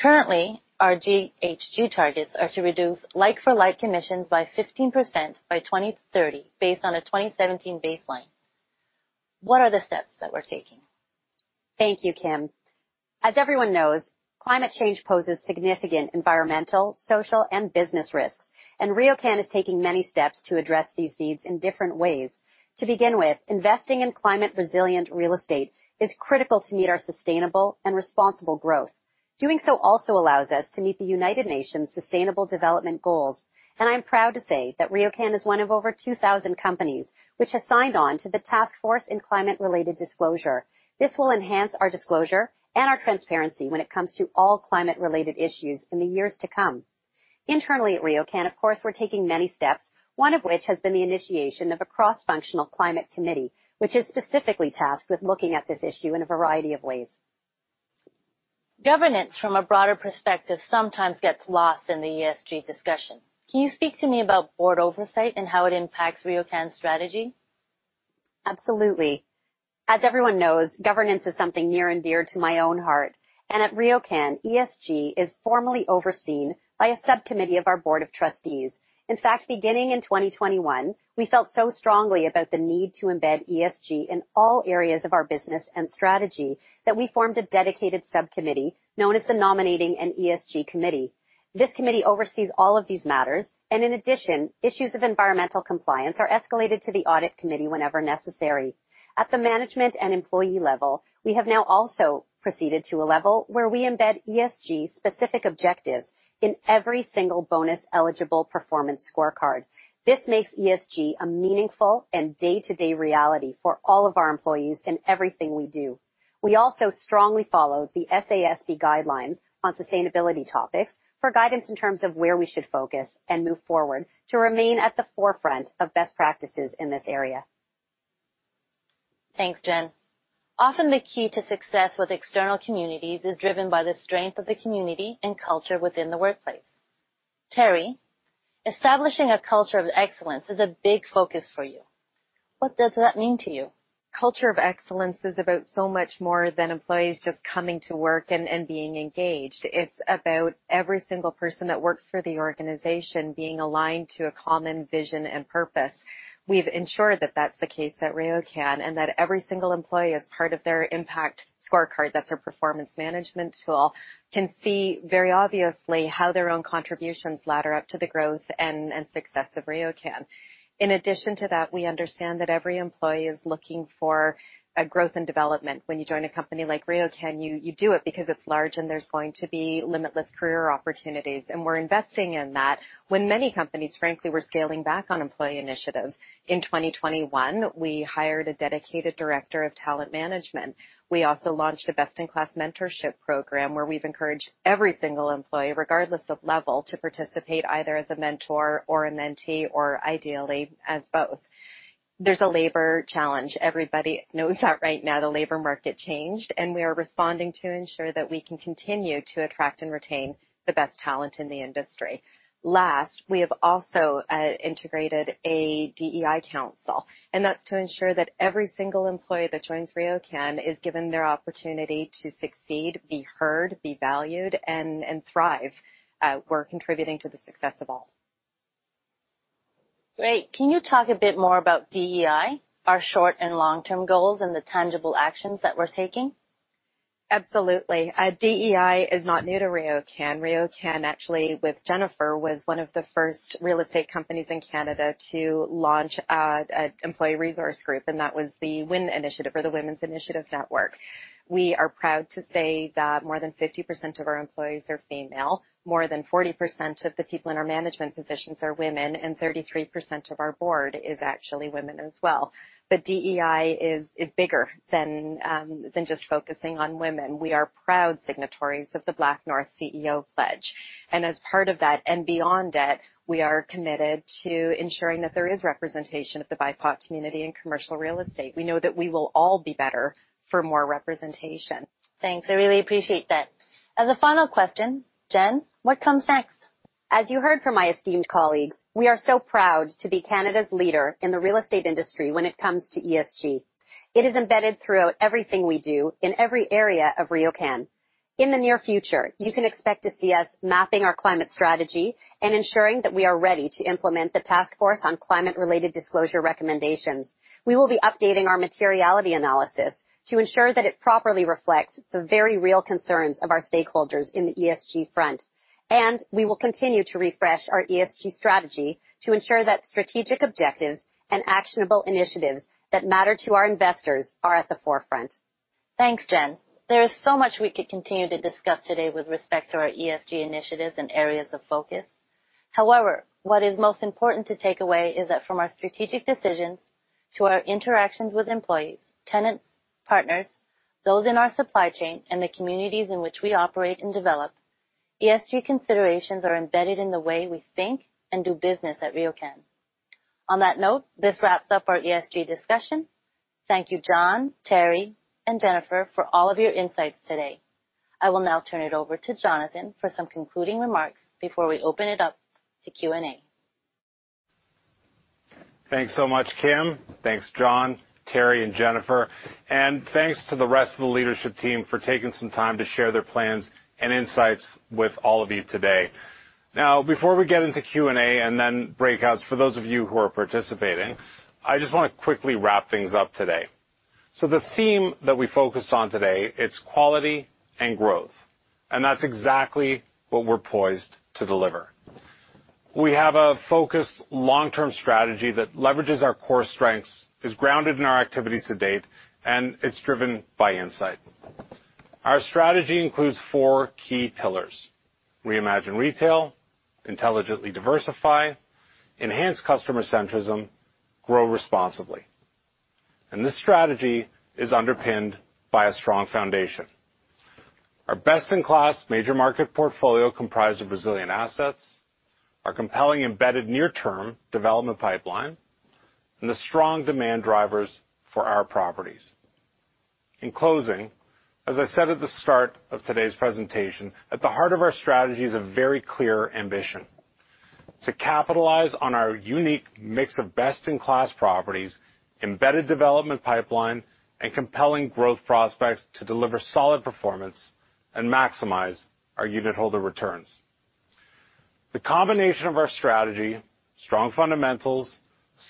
Speaker 1: Currently, our GHG targets are to reduce like for like emissions by 15% by 2030 based on a 2017 baseline. What are the steps that we're taking?
Speaker 12: Thank you, Kim. As everyone knows, climate change poses significant environmental, social, and business risks, and RioCan is taking many steps to address these needs in different ways. To begin with, investing in climate resilient real estate is critical to meet our sustainable and responsible growth Doing so also allows us to meet the United Nations sustainable development goals, and I'm proud to say that RioCan is one of over 2,000 companies which has signed on to the task force in climate-related disclosure. This will enhance our disclosure and our transparency when it comes to all climate-related issues in the years to come. Internally at RioCan, of course, we're taking many steps, one of which has been the initiation of a cross-functional climate committee, which is specifically tasked with looking at this issue in a variety of ways.
Speaker 1: Governance from a broader perspective sometimes gets lost in the ESG discussion. Can you speak to me about board oversight and how it impacts RioCan's strategy?
Speaker 12: Absolutely. As everyone knows, governance is something near and dear to my own heart. At RioCan, ESG is formally overseen by a subcommittee of our board of trustees. In fact, beginning in 2021, we felt so strongly about the need to embed ESG in all areas of our business and strategy that we formed a dedicated subcommittee known as the Nominating and ESG Committee. This committee oversees all of these matters, and in addition, issues of environmental compliance are escalated to the audit committee whenever necessary. At the management and employee level, we have now also proceeded to a level where we embed ESG-specific objectives in every single bonus-eligible performance scorecard. This makes ESG a meaningful and day-to-day reality for all of our employees in everything we do. We also strongly follow the SASB guidelines on sustainability topics for guidance in terms of where we should focus and move forward to remain at the forefront of best practices in this area.
Speaker 1: Thanks, Jen. Often, the key to success with external communities is driven by the strength of the community and culture within the workplace. Terri, establishing a culture of excellence is a big focus for you. What does that mean to you?
Speaker 11: Culture of excellence is about so much more than employees just coming to work and being engaged. It's about every single person that works for the organization being aligned to a common vision and purpose. We've ensured that that's the case at RioCan and that every single employee as part of their impact scorecard, that's our performance management tool, can see very obviously how their own contributions ladder up to the growth and success of RioCan. In addition to that, we understand that every employee is looking for a growth and development. When you join a company like RioCan, you do it because it's large and there's going to be limitless career opportunities, and we're investing in that when many companies, frankly, we're scaling back on employee initiatives. In 2021, we hired a dedicated director of talent management. We also launched a best-in-class mentorship program where we've encouraged every single employee, regardless of level, to participate either as a mentor or a mentee, or ideally, as both. There's a labor challenge. Everybody knows that right now the labor market changed, and we are responding to ensure that we can continue to attract and retain the best talent in the industry. Last, we have also integrated a DEI council, and that's to ensure that every single employee that joins RioCan is given their opportunity to succeed, be heard, be valued, and thrive. We're contributing to the success of all.
Speaker 1: Great. Can you talk a bit more about DEI, our short and long-term goals, and the tangible actions that we're taking?
Speaker 11: Absolutely. DEI is not new to RioCan. RioCan, actually, with Jennifer, was one of the first real estate companies in Canada to launch an employee resource group, and that was the WIN initiative or the Women's Initiative Network. We are proud to say that more than 50% of our employees are female, more than 40% of the people in our management positions are women, and 33% of our board is actually women as well. DEI is bigger than just focusing on women. We are proud signatories of the BlackNorth CEO Pledge. As part of that, and beyond it, we are committed to ensuring that there is representation of the BIPOC community in commercial real estate. We know that we will all be better for more representation.
Speaker 1: Thanks. I really appreciate that. As a final question, Jen, what comes next?
Speaker 12: As you heard from my esteemed colleagues, we are so proud to be Canada's leader in the real estate industry when it comes to ESG. It is embedded throughout everything we do in every area of RioCan. In the near future, you can expect to see us mapping our climate strategy and ensuring that we are ready to implement the task force on climate-related disclosure recommendations. We will be updating our materiality analysis to ensure that it properly reflects the very real concerns of our stakeholders in the ESG front. We will continue to refresh our ESG strategy to ensure that strategic objectives and actionable initiatives that matter to our investors are at the forefront.
Speaker 1: Thanks, Jen. There is so much we could continue to discuss today with respect to our ESG initiatives and areas of focus. However, what is most important to take away is that from our strategic decisions to our interactions with employees, tenants, partners, those in our supply chain, and the communities in which we operate and develop, ESG considerations are embedded in the way we think and do business at RioCan. On that note, this wraps up our ESG discussion. Thank you, John, Terry, and Jennifer for all of your insights today. I will now turn it over to Jonathan for some concluding remarks before we open it up to Q&A.
Speaker 2: Thanks so much, Kim. Thanks, John, Terri, and Jennifer. Thanks to the rest of the leadership team for taking some time to share their plans and insights with all of you today. Now, before we get into Q&A, and then breakouts for those of you who are participating, I just wanna quickly wrap things up today. The theme that we focused on today, it's quality and growth. That's exactly what we're poised to deliver. We have a focused long-term strategy that leverages our core strengths, is grounded in our activities to date, and it's driven by insight. Our strategy includes four key pillars. Reimagine retail, intelligently diversify, enhance customer centrism, grow responsibly. This strategy is underpinned by a strong foundation. Our best-in-class major market portfolio comprised of resilient assets, our compelling embedded near term development pipeline, and the strong demand drivers for our properties. In closing, as I said at the start of today's presentation, at the heart of our strategy is a very clear ambition to capitalize on our unique mix of best-in-class properties, embedded development pipeline, and compelling growth prospects to deliver solid performance and maximize our unitholder returns. The combination of our strategy, strong fundamentals,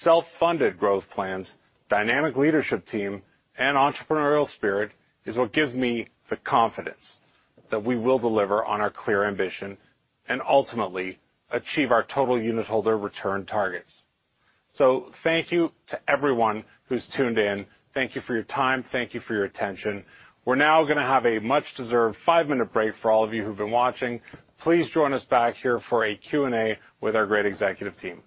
Speaker 2: self-funded growth plans, dynamic leadership team, and entrepreneurial spirit is what gives me the confidence that we will deliver on our clear ambition and ultimately achieve our total unitholder return targets. Thank you to everyone who's tuned in. Thank you for your time. Thank you for your attention. We're now gonna have a much-deserved five-minute break for all of you who've been watching. Please join us back here for a Q&A with our great executive team.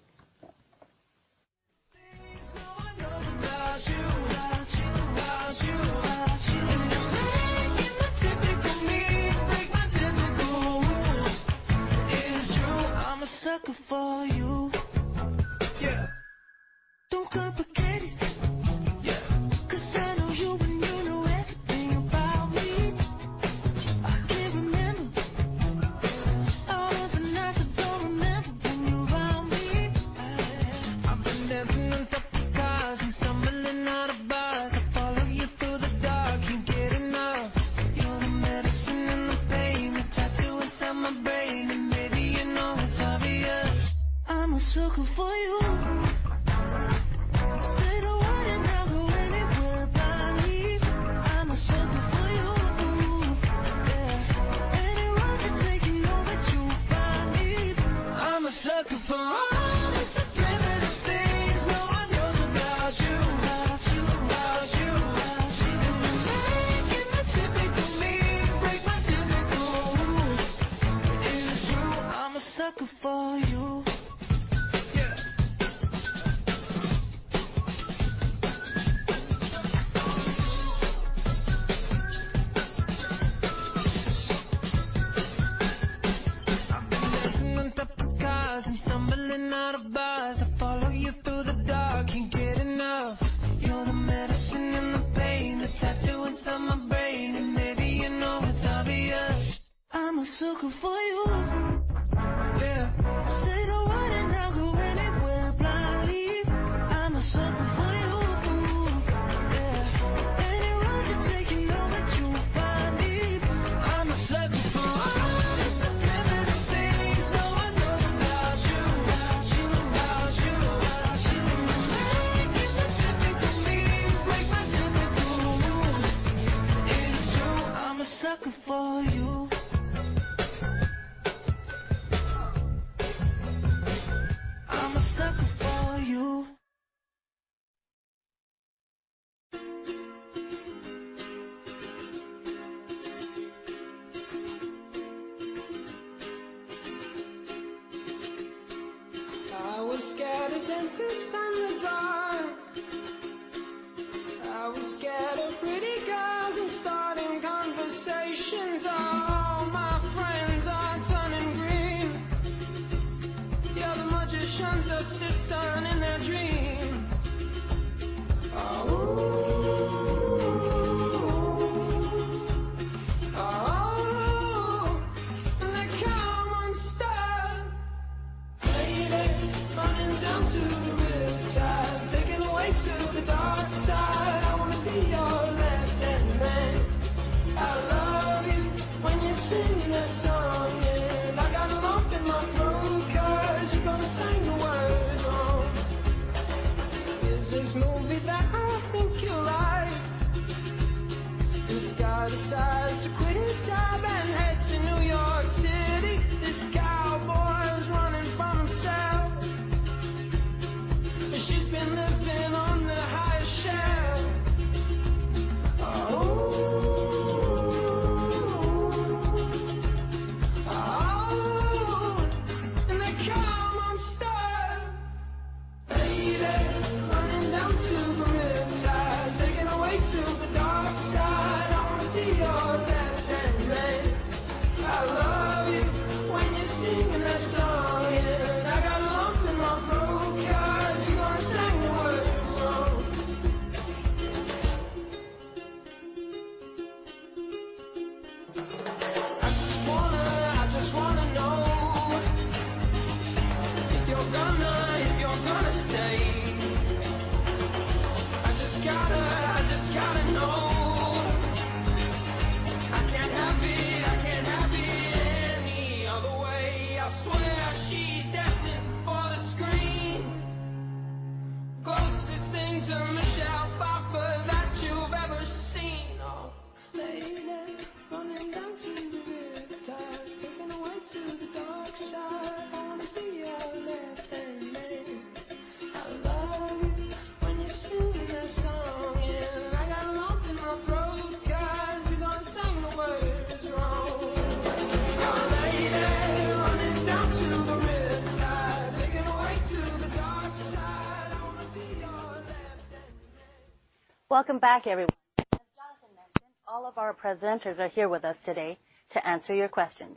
Speaker 1: Welcome back, everyone. As Jonathan mentioned, all of our presenters are here with us today to answer your questions.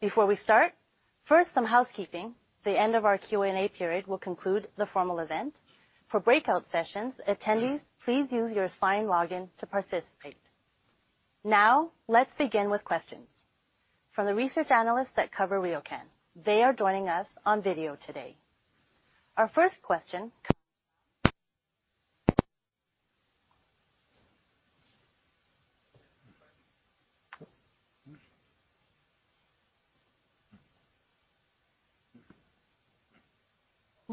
Speaker 1: Before we start, first, some housekeeping. The end of our Q&A period will conclude the formal event. For breakout sessions, attendees, please use your sign-in login to participate. Now, let's begin with questions. From the research analysts that cover RioCan, they are joining us on video today. Our first question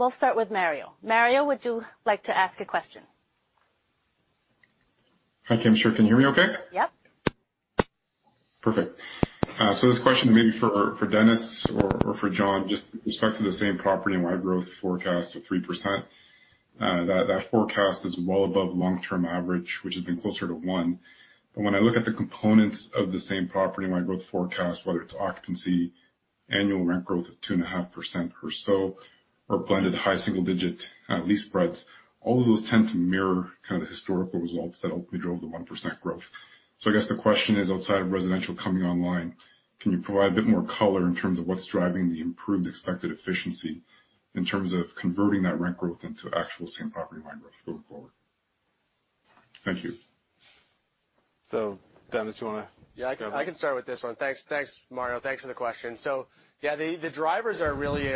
Speaker 1: comes from Mario. Mario, would you like to ask a question?
Speaker 13: Hi, Kim. Sure. Can you hear me okay?
Speaker 1: Yep.
Speaker 13: Perfect. This question is maybe for Dennis or for John, just with respect to the same-property NOI growth forecast of 3%, that forecast is well above long-term average, which has been closer to 1%. When I look at the components of the same-property NOI growth forecast, whether it's occupancy, annual rent growth of 2.5% or so, or blended high single-digit lease spreads, all of those tend to mirror kind of historical results that ultimately drove the 1% growth. I guess the question is, outside of residential coming online, can you provide a bit more color in terms of what's driving the improved expected efficiency in terms of converting that rent growth into actual same-property NOI growth going forward? Thank you.
Speaker 2: Dennis, you wanna-
Speaker 10: I can start with this one. Thanks, Mario. Thanks for the question. Yeah, the drivers are really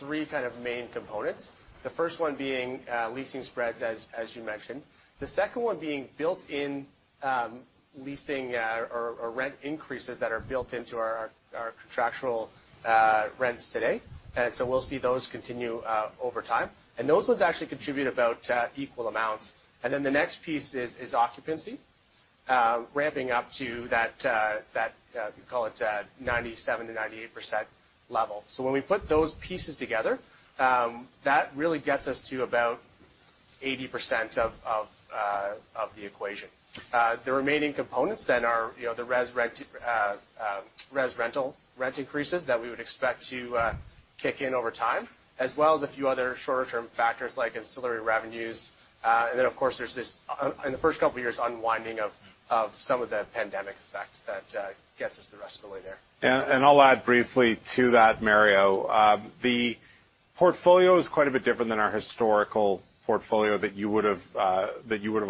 Speaker 10: three kind of main components. The first one being leasing spreads, as you mentioned. The second one being built in leasing or rent increases that are built into our contractual rents today. We'll see those continue over time. Those ones actually contribute about equal amounts. Then the next piece is occupancy ramping up to that call it 97%-98% level. When we put those pieces together, that really gets us to about 80% of the equation. The remaining components are, you know, the residential rent increases that we would expect to kick in over time, as well as a few other shorter-term factors like ancillary revenues. Of course, there's this in the first couple of years, unwinding of some of the pandemic effect that gets us the rest of the way there.
Speaker 2: I'll add briefly to that, Mario. The portfolio is quite a bit different than our historical portfolio that you would've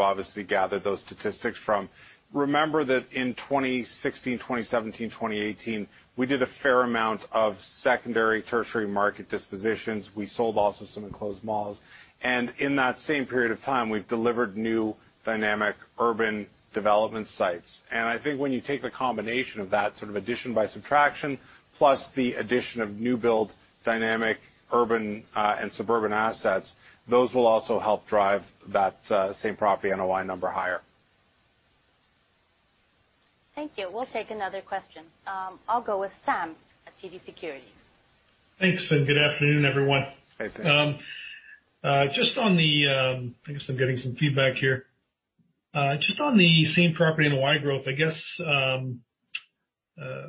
Speaker 2: obviously gathered those statistics from. Remember that in 2016, 2017, 2018, we did a fair amount of secondary, tertiary market dispositions. We sold also some enclosed malls. In that same period of time, we've delivered new dynamic urban development sites. I think when you take the combination of that sort of addition by subtraction plus the addition of new build dynamic urban and suburban assets, those will also help drive that same property NOI number higher.
Speaker 1: Thank you. We'll take another question. I'll go with Sam at TD Securities.
Speaker 14: Thanks, and good afternoon, everyone.
Speaker 2: Hi, Sam.
Speaker 14: Just on the same property and the wide growth, I guess,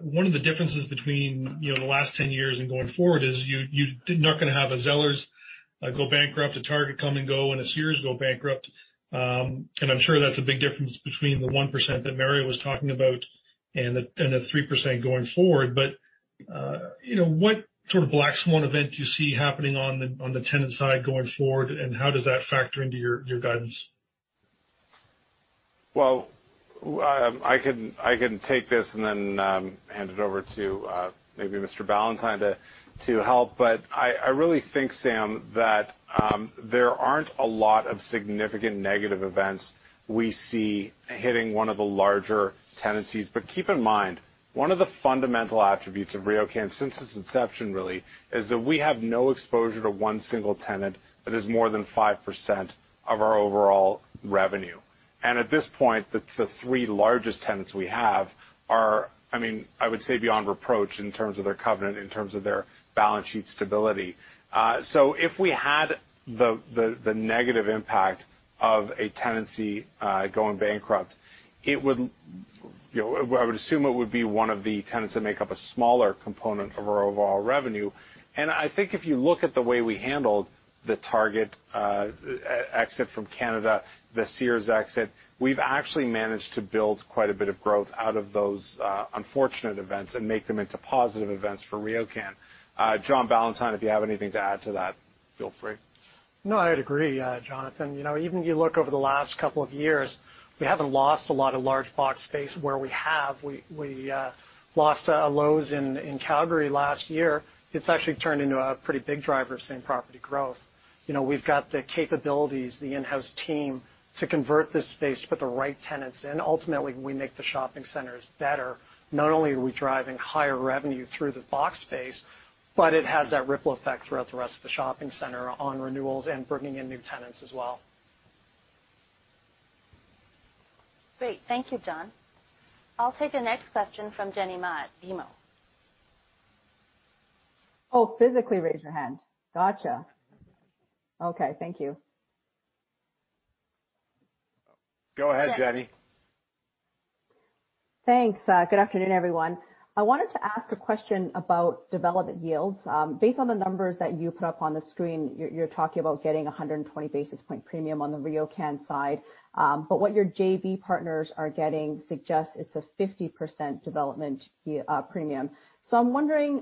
Speaker 14: one of the differences between, you know, the last 10 years and going forward is you're not gonna have a Zellers go bankrupt, a Target come and go, and a Sears go bankrupt. And I'm sure that's a big difference between the 1% that Mario was talking about and the 3% going forward. You know, what sort of black swan event do you see happening on the tenant side going forward, and how does that factor into your guidance?
Speaker 2: Well, I can take this and then hand it over to maybe Mr. Ballantyne to help. I really think, Sam, that there aren't a lot of significant negative events we see hitting one of the larger tenancies. Keep in mind, one of the fundamental attributes of RioCan since its inception really is that we have no exposure to one single tenant that is more than 5% of our overall revenue. At this point, the three largest tenants we have are, I mean, I would say, beyond reproach in terms of their covenant, in terms of their balance sheet stability. If we had the negative impact of a tenancy going bankrupt, it would, you know, I would assume it would be one of the tenants that make up a smaller component of our overall revenue. I think if you look at the way we handled the Target exit from Canada, the Sears exit, we've actually managed to build quite a bit of growth out of those unfortunate events and make them into positive events for RioCan. John Ballantyne, if you have anything to add to that, feel free.
Speaker 3: No, I'd agree, Jonathan. You know, even if you look over the last couple of years, we haven't lost a lot of large box space where we have. We lost a Lowe's in Calgary last year. It's actually turned into a pretty big driver of same property growth. You know, we've got the capabilities, the in-house team to convert this space to put the right tenants in. Ultimately, we make the shopping centers better. Not only are we driving higher revenue through the box space, but it has that ripple effect throughout the rest of the shopping center on renewals and bringing in new tenants as well.
Speaker 1: Great. Thank you, John. I'll take the next question from Jenny Ma at BMO.
Speaker 15: Oh, physically raise your hand. Gotcha. Okay, thank you.
Speaker 2: Go ahead, Jenny.
Speaker 15: Thanks. Good afternoon, everyone. I wanted to ask a question about development yields. Based on the numbers that you put up on the screen, you're talking about getting a 120 basis point premium on the RioCan side. But what your JV partners are getting suggests it's a 50% development premium. I'm wondering,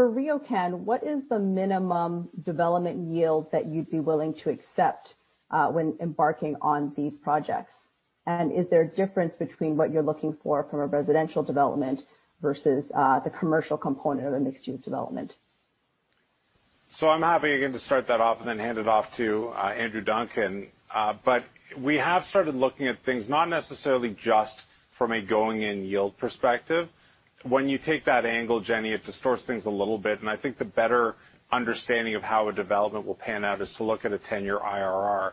Speaker 15: for RioCan, what is the minimum development yield that you'd be willing to accept, when embarking on these projects? Is there a difference between what you're looking for from a residential development versus, the commercial component of a mixed-use development?
Speaker 2: I'm happy again to start that off and then hand it off to Andrew Duncan. We have started looking at things not necessarily just from a going in yield perspective. When you take that angle, Jenny, it distorts things a little bit, and I think the better understanding of how a development will pan out is to look at a 10-year IRR.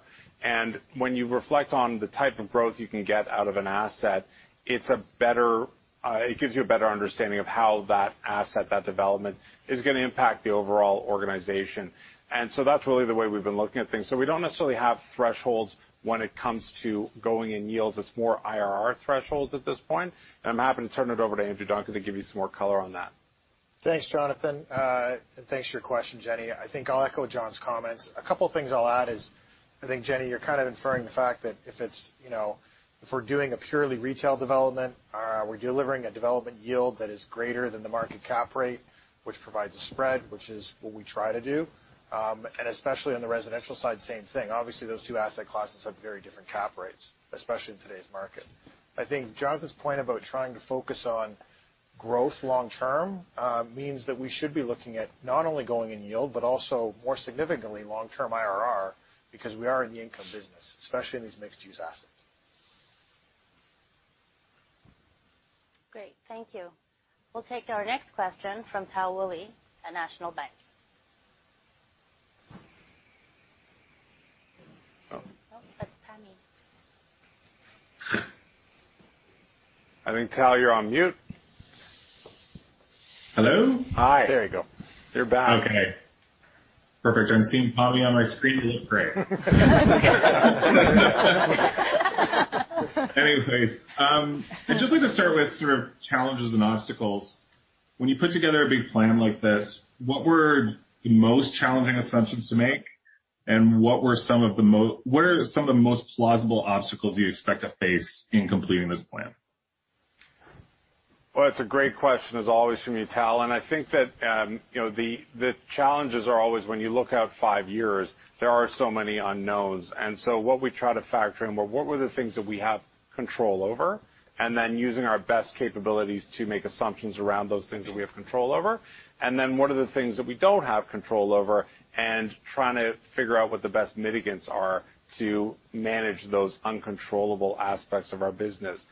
Speaker 2: When you reflect on the type of growth you can get out of an asset, it gives you a better understanding of how that asset, that development is gonna impact the overall organization. That's really the way we've been looking at things. We don't necessarily have thresholds when it comes to going in yields. It's more IRR thresholds at this point. I'm happy to turn it over to Andrew Duncan to give you some more color on that.
Speaker 9: Thanks, Jonathan. And thanks for your question, Jenny. I think I'll echo John's comments. A couple things I'll add is, I think, Jenny, you're kind of inferring the fact that if it's, you know, if we're doing a purely retail development or we're delivering a development yield that is greater than the market cap rate, which provides a spread, which is what we try to do. And especially on the residential side, same thing. Obviously, those two asset classes have very different cap rates, especially in today's market. I think Jonathan's point about trying to focus on growth long term means that we should be looking at not only going in yield, but also more significantly long-term IRR because we are in the income business, especially in these mixed-use assets.
Speaker 1: Great. Thank you. We'll take our next question from Tal Woolley at National Bank.
Speaker 2: Oh.
Speaker 1: Oh, that's Tammy.
Speaker 2: I think, Tal, you're on mute.
Speaker 16: Hello.
Speaker 2: Hi.
Speaker 9: There you go.
Speaker 2: You're back.
Speaker 16: Okay. Perfect. I'm seeing Tammy on my screen. You look great. Anyways, I'd just like to start with sort of challenges and obstacles. When you put together a big plan like this, what were the most challenging assumptions to make, and what are some of the most plausible obstacles you expect to face in completing this plan?
Speaker 2: Well, it's a great question as always from you, Tal, and I think that, you know, the challenges are always when you look out five years, there are so many unknowns. What we try to factor in are the things that we have control over, and then using our best capabilities to make assumptions around those things that we have control over. What are the things that we don't have control over and trying to figure out what the best mitigants are to manage those uncontrollable aspects of our business.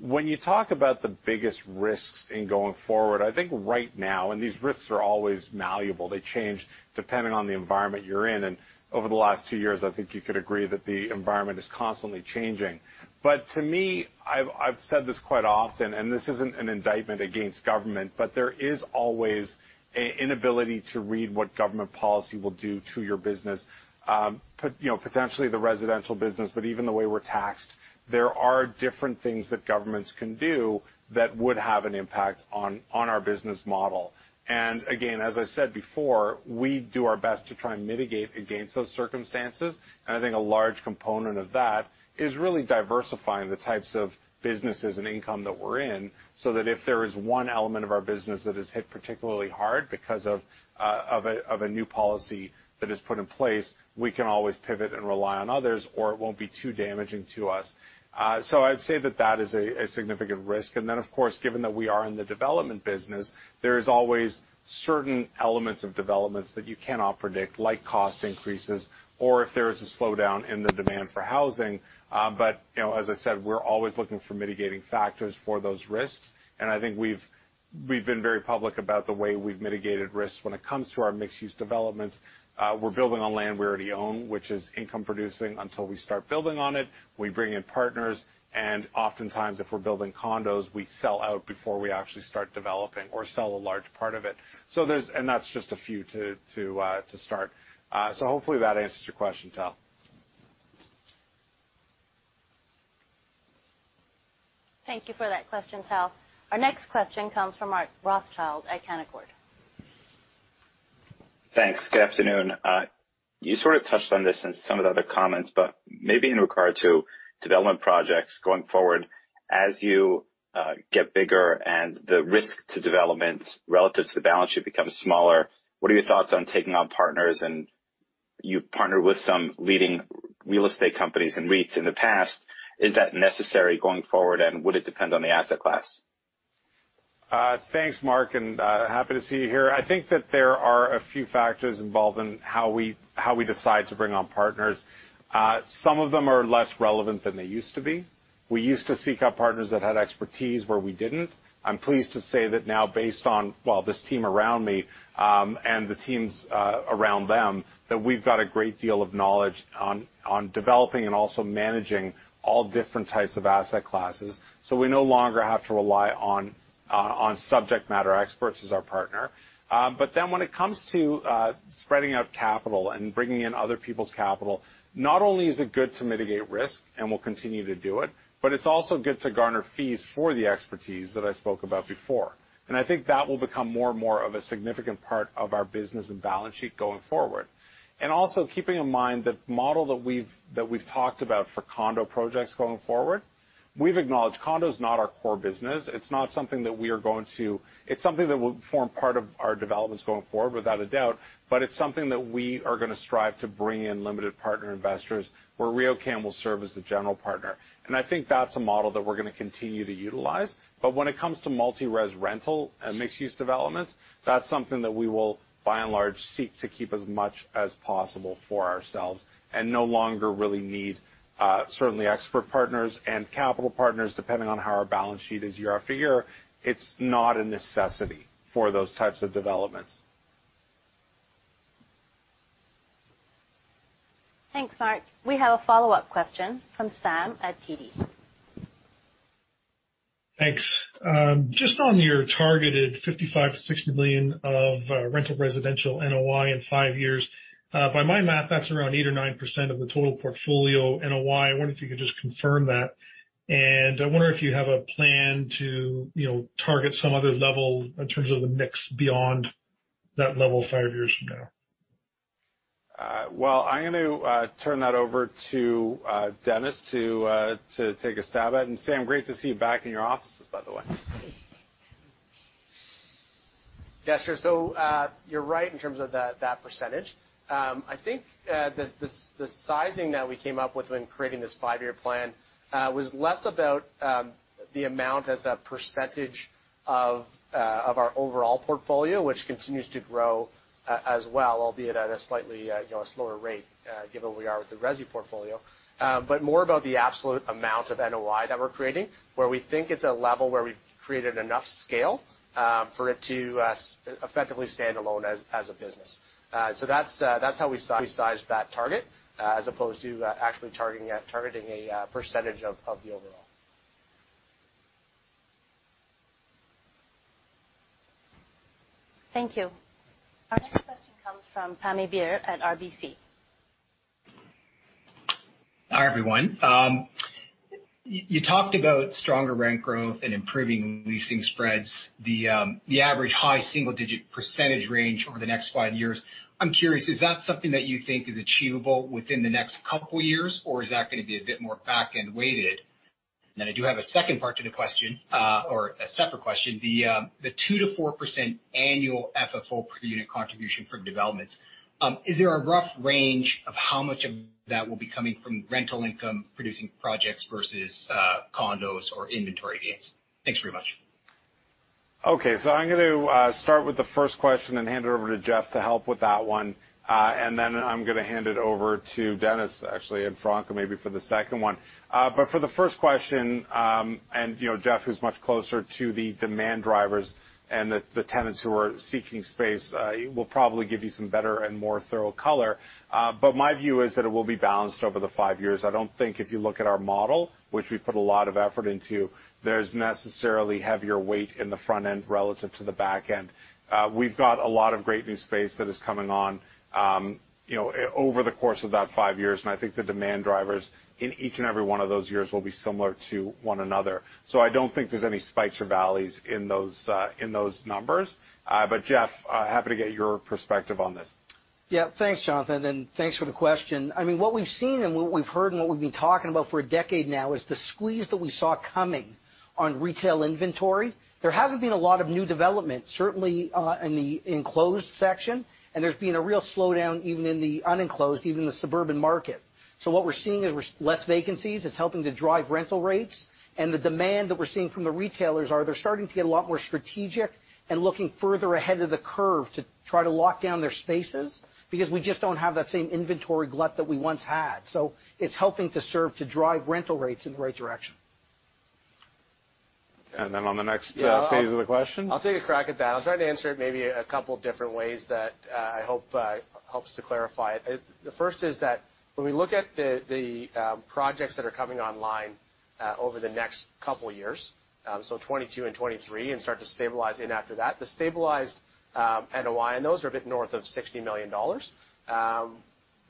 Speaker 2: When you talk about the biggest risks in going forward, I think right now, and these risks are always malleable. They change depending on the environment you're in. Over the last two years, I think you could agree that the environment is constantly changing. To me, I've said this quite often, and this isn't an indictment against government, but there is always an inability to read what government policy will do to your business. You know, potentially the residential business, but even the way we're taxed, there are different things that governments can do that would have an impact on our business model. Again, as I said before, we do our best to try and mitigate against those circumstances. I think a large component of that is really diversifying the types of businesses and income that we're in, so that if there is one element of our business that is hit particularly hard because of a new policy that is put in place, we can always pivot and rely on others, or it won't be too damaging to us. I'd say that is a significant risk. Of course, given that we are in the development business, there is always certain elements of developments that you cannot predict, like cost increases or if there is a slowdown in the demand for housing. You know, as I said, we're always looking for mitigating factors for those risks, and I think we've been very public about the way we've mitigated risks when it comes to our mixed-use developments. We're building on land we already own, which is income producing until we start building on it. We bring in partners, and oftentimes, if we're building condos, we sell out before we actually start developing or sell a large part of it. And that's just a few to start. Hopefully that answers your question, Tal.
Speaker 1: Thank you for that question, Tal. Our next question comes from Mark Rothschild at Canaccord.
Speaker 17: Thanks. Good afternoon. You sort of touched on this in some of the other comments, but maybe in regard to development projects going forward, as you get bigger and the risk to development relative to the balance sheet becomes smaller, what are your thoughts on taking on partners? You've partnered with some leading real estate companies and REITs in the past. Is that necessary going forward, and would it depend on the asset class?
Speaker 2: Thanks, Mark, and happy to see you here. I think that there are a few factors involved in how we decide to bring on partners. Some of them are less relevant than they used to be. We used to seek out partners that had expertise where we didn't. I'm pleased to say that now based on, well, this team around me, and the teams around them, that we've got a great deal of knowledge on developing and also managing all different types of asset classes. We no longer have to rely on subject matter experts as our partner. When it comes to spreading out capital and bringing in other people's capital, not only is it good to mitigate risk, and we'll continue to do it, but it's also good to garner fees for the expertise that I spoke about before. I think that will become more and more of a significant part of our business and balance sheet going forward. Also keeping in mind the model that we've talked about for condo projects going forward, we've acknowledged condo is not our core business. It's not something that we are going to. It's something that will form part of our developments going forward, without a doubt, but it's something that we are gonna strive to bring in limited partner investors where RioCan will serve as the general partner. I think that's a model that we're gonna continue to utilize. when it comes to multi-res rental and mixed-use developments, that's something that we will, by and large, seek to keep as much as possible for ourselves and no longer really need, certainly expert partners and capital partners, depending on how our balance sheet is year after year. It's not a necessity for those types of developments.
Speaker 1: Thanks, Mark. We have a follow-up question from Sam at TD.
Speaker 14: Thanks. Just on your targeted 55 million-60 million of rental residential NOI in 5 years, by my math, that's around 8% or 9% of the total portfolio NOI. I wonder if you could just confirm that. I wonder if you have a plan to, you know, target some other level in terms of the mix beyond that level 5 years from now.
Speaker 2: Well, I'm going to turn that over to Dennis to take a stab at. Sam, great to see you back in your offices, by the way.
Speaker 10: Yeah, sure. You're right in terms of that percentage. I think the sizing that we came up with when creating this five-year plan was less about the amount as a percentage of our overall portfolio, which continues to grow as well, albeit at a slightly you know slower rate given where we are with the resi portfolio, but more about the absolute amount of NOI that we're creating, where we think it's a level where we've created enough scale for it to effectively stand alone as a business. That's how we size that target as opposed to actually targeting a percentage of the overall.
Speaker 1: Thank you. Our next question comes from Pammi Bir at RBC.
Speaker 18: Hi, everyone. You talked about stronger rent growth and improving leasing spreads, the average high single-digit % range over the next five years. I'm curious, is that something that you think is achievable within the next couple years, or is that gonna be a bit more back-end weighted? I do have a second part to the question, or a separate question. The 2%-4% annual FFO per unit contribution from developments, is there a rough range of how much of that will be coming from rental income-producing projects versus condos or inventory gains? Thanks very much.
Speaker 2: Okay. I'm going to start with the first question and hand it over to Jeff to help with that one. I'm gonna hand it over to Dennis, actually, and Franco maybe for the second one. For the first question, you know, Jeff, who's much closer to the demand drivers and the tenants who are seeking space, will probably give you some better and more thorough color. My view is that it will be balanced over the 5 years. I don't think if you look at our model, which we put a lot of effort into, there's necessarily heavier weight in the front end relative to the back end. We've got a lot of great new space that is coming on, you know, over the course of that five years, and I think the demand drivers in each and every one of those years will be similar to one another. I don't think there's any spikes or valleys in those numbers. Jeff, happy to get your perspective on this.
Speaker 4: Yeah. Thanks, Jonathan, and thanks for the question. I mean, what we've seen and what we've heard and what we've been talking about for a decade now is the squeeze that we saw coming on retail inventory. There hasn't been a lot of new development, certainly, in the enclosed section, and there's been a real slowdown even in the unenclosed, even the suburban market. What we're seeing is less vacancies. It's helping to drive rental rates. The demand that we're seeing from the retailers are they're starting to get a lot more strategic and looking further ahead of the curve to try to lock down their spaces because we just don't have that same inventory glut that we once had. It's helping to serve to drive rental rates in the right direction.
Speaker 2: On the next phase of the question.
Speaker 10: I'll take a crack at that. I'll try to answer it maybe a couple different ways that I hope helps to clarify it. The first is that when we look at the projects that are coming online over the next couple years, so 2022 and 2023, and start to stabilize after that, the stabilized NOI on those are a bit north of 60 million dollars,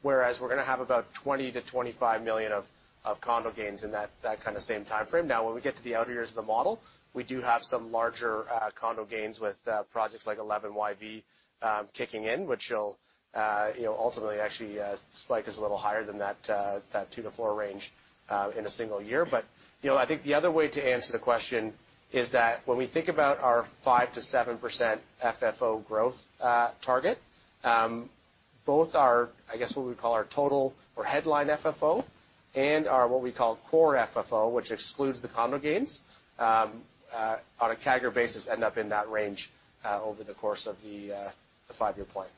Speaker 10: whereas we're gonna have about 20 million-25 million of condo gains in that kinda same timeframe. Now, when we get to the outer years of the model, we do have some larger condo gains with projects like 11YV kicking in, which will you know ultimately actually spike us a little higher than that 2-4 range in a single year. You know, I think the other way to answer the question is that when we think about our 5%-7% FFO growth target, both our, I guess, what we call our total or headline FFO and our what we call core FFO, which excludes the condo gains, on a CAGR basis end up in that range, over the course of the 5-year plan.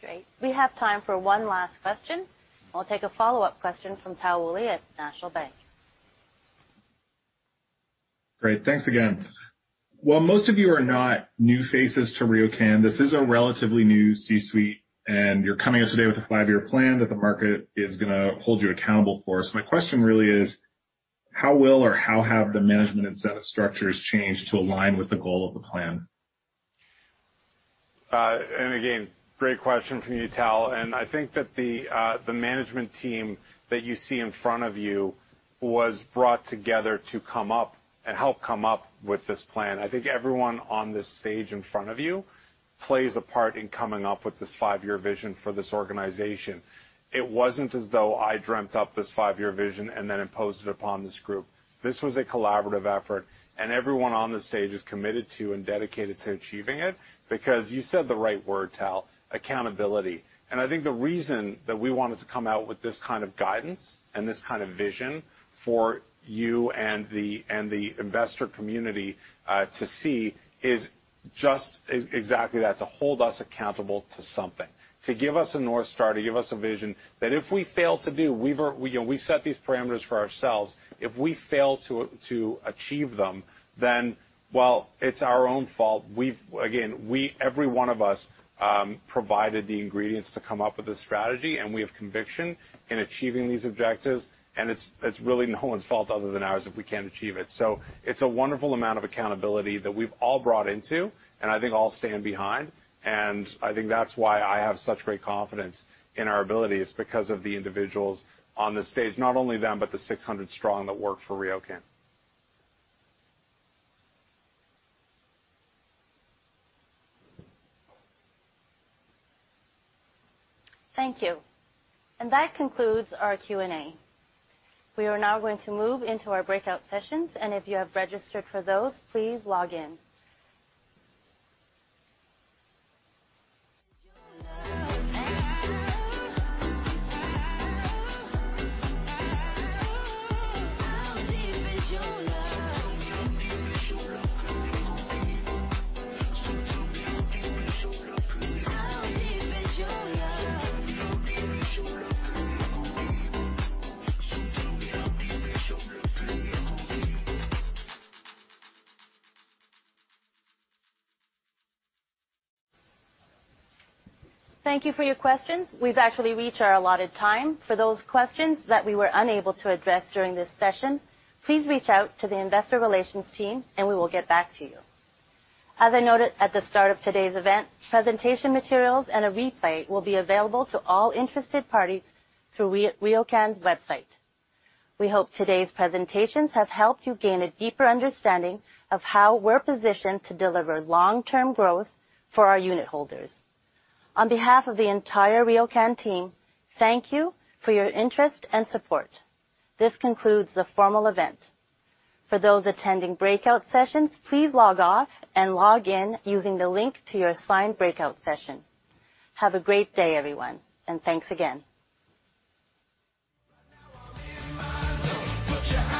Speaker 1: Great. We have time for one last question. I'll take a follow-up question from Tal Woolley at National Bank.
Speaker 16: Great. Thanks again. While most of you are not new faces to RioCan, this is a relatively new C-suite, and you're coming out today with a five-year plan that the market is gonna hold you accountable for. My question really is: how will or how have the management incentive structures changed to align with the goal of the plan?
Speaker 2: Great question from you, Tal. I think that the management team that you see in front of you was brought together to come up with this plan. I think everyone on this stage in front of you plays a part in coming up with this five-year vision for this organization. It wasn't as though I dreamt up this five-year vision and then imposed it upon this group. This was a collaborative effort, and everyone on the stage is committed to and dedicated to achieving it because you said the right word, Tal, accountability. I think the reason that we wanted to come out with this kind of guidance and this kind of vision for you and the investor community to see is just exactly that, to hold us accountable to something, to give us a North Star, to give us a vision that if we fail to do, we've set these parameters for ourselves. You know, if we fail to achieve them, then well, it's our own fault. Again, we, every one of us, provided the ingredients to come up with a strategy, and we have conviction in achieving these objectives. It's really no one's fault other than ours if we can't achieve it. It's a wonderful amount of accountability that we've all brought into, and I think all stand behind, and I think that's why I have such great confidence in our ability is because of the individuals on the stage, not only them, but the 600 strong that work for RioCan.
Speaker 1: Thank you. That concludes our Q&A. We are now going to move into our breakout sessions, and if you have registered for those, please log in. Thank you for your questions. We've actually reached our allotted time. For those questions that we were unable to address during this session, please reach out to the investor relations team, and we will get back to you. As I noted at the start of today's event, presentation materials and a replay will be available to all interested parties through RioCan's website. We hope today's presentations have helped you gain a deeper understanding of how we're positioned to deliver long-term growth for our unit holders. On behalf of the entire RioCan team, thank you for your interest and support. This concludes the formal event. For those attending breakout sessions, please log off and log in using the link to your assigned breakout session. Have a great day, everyone, and thanks again.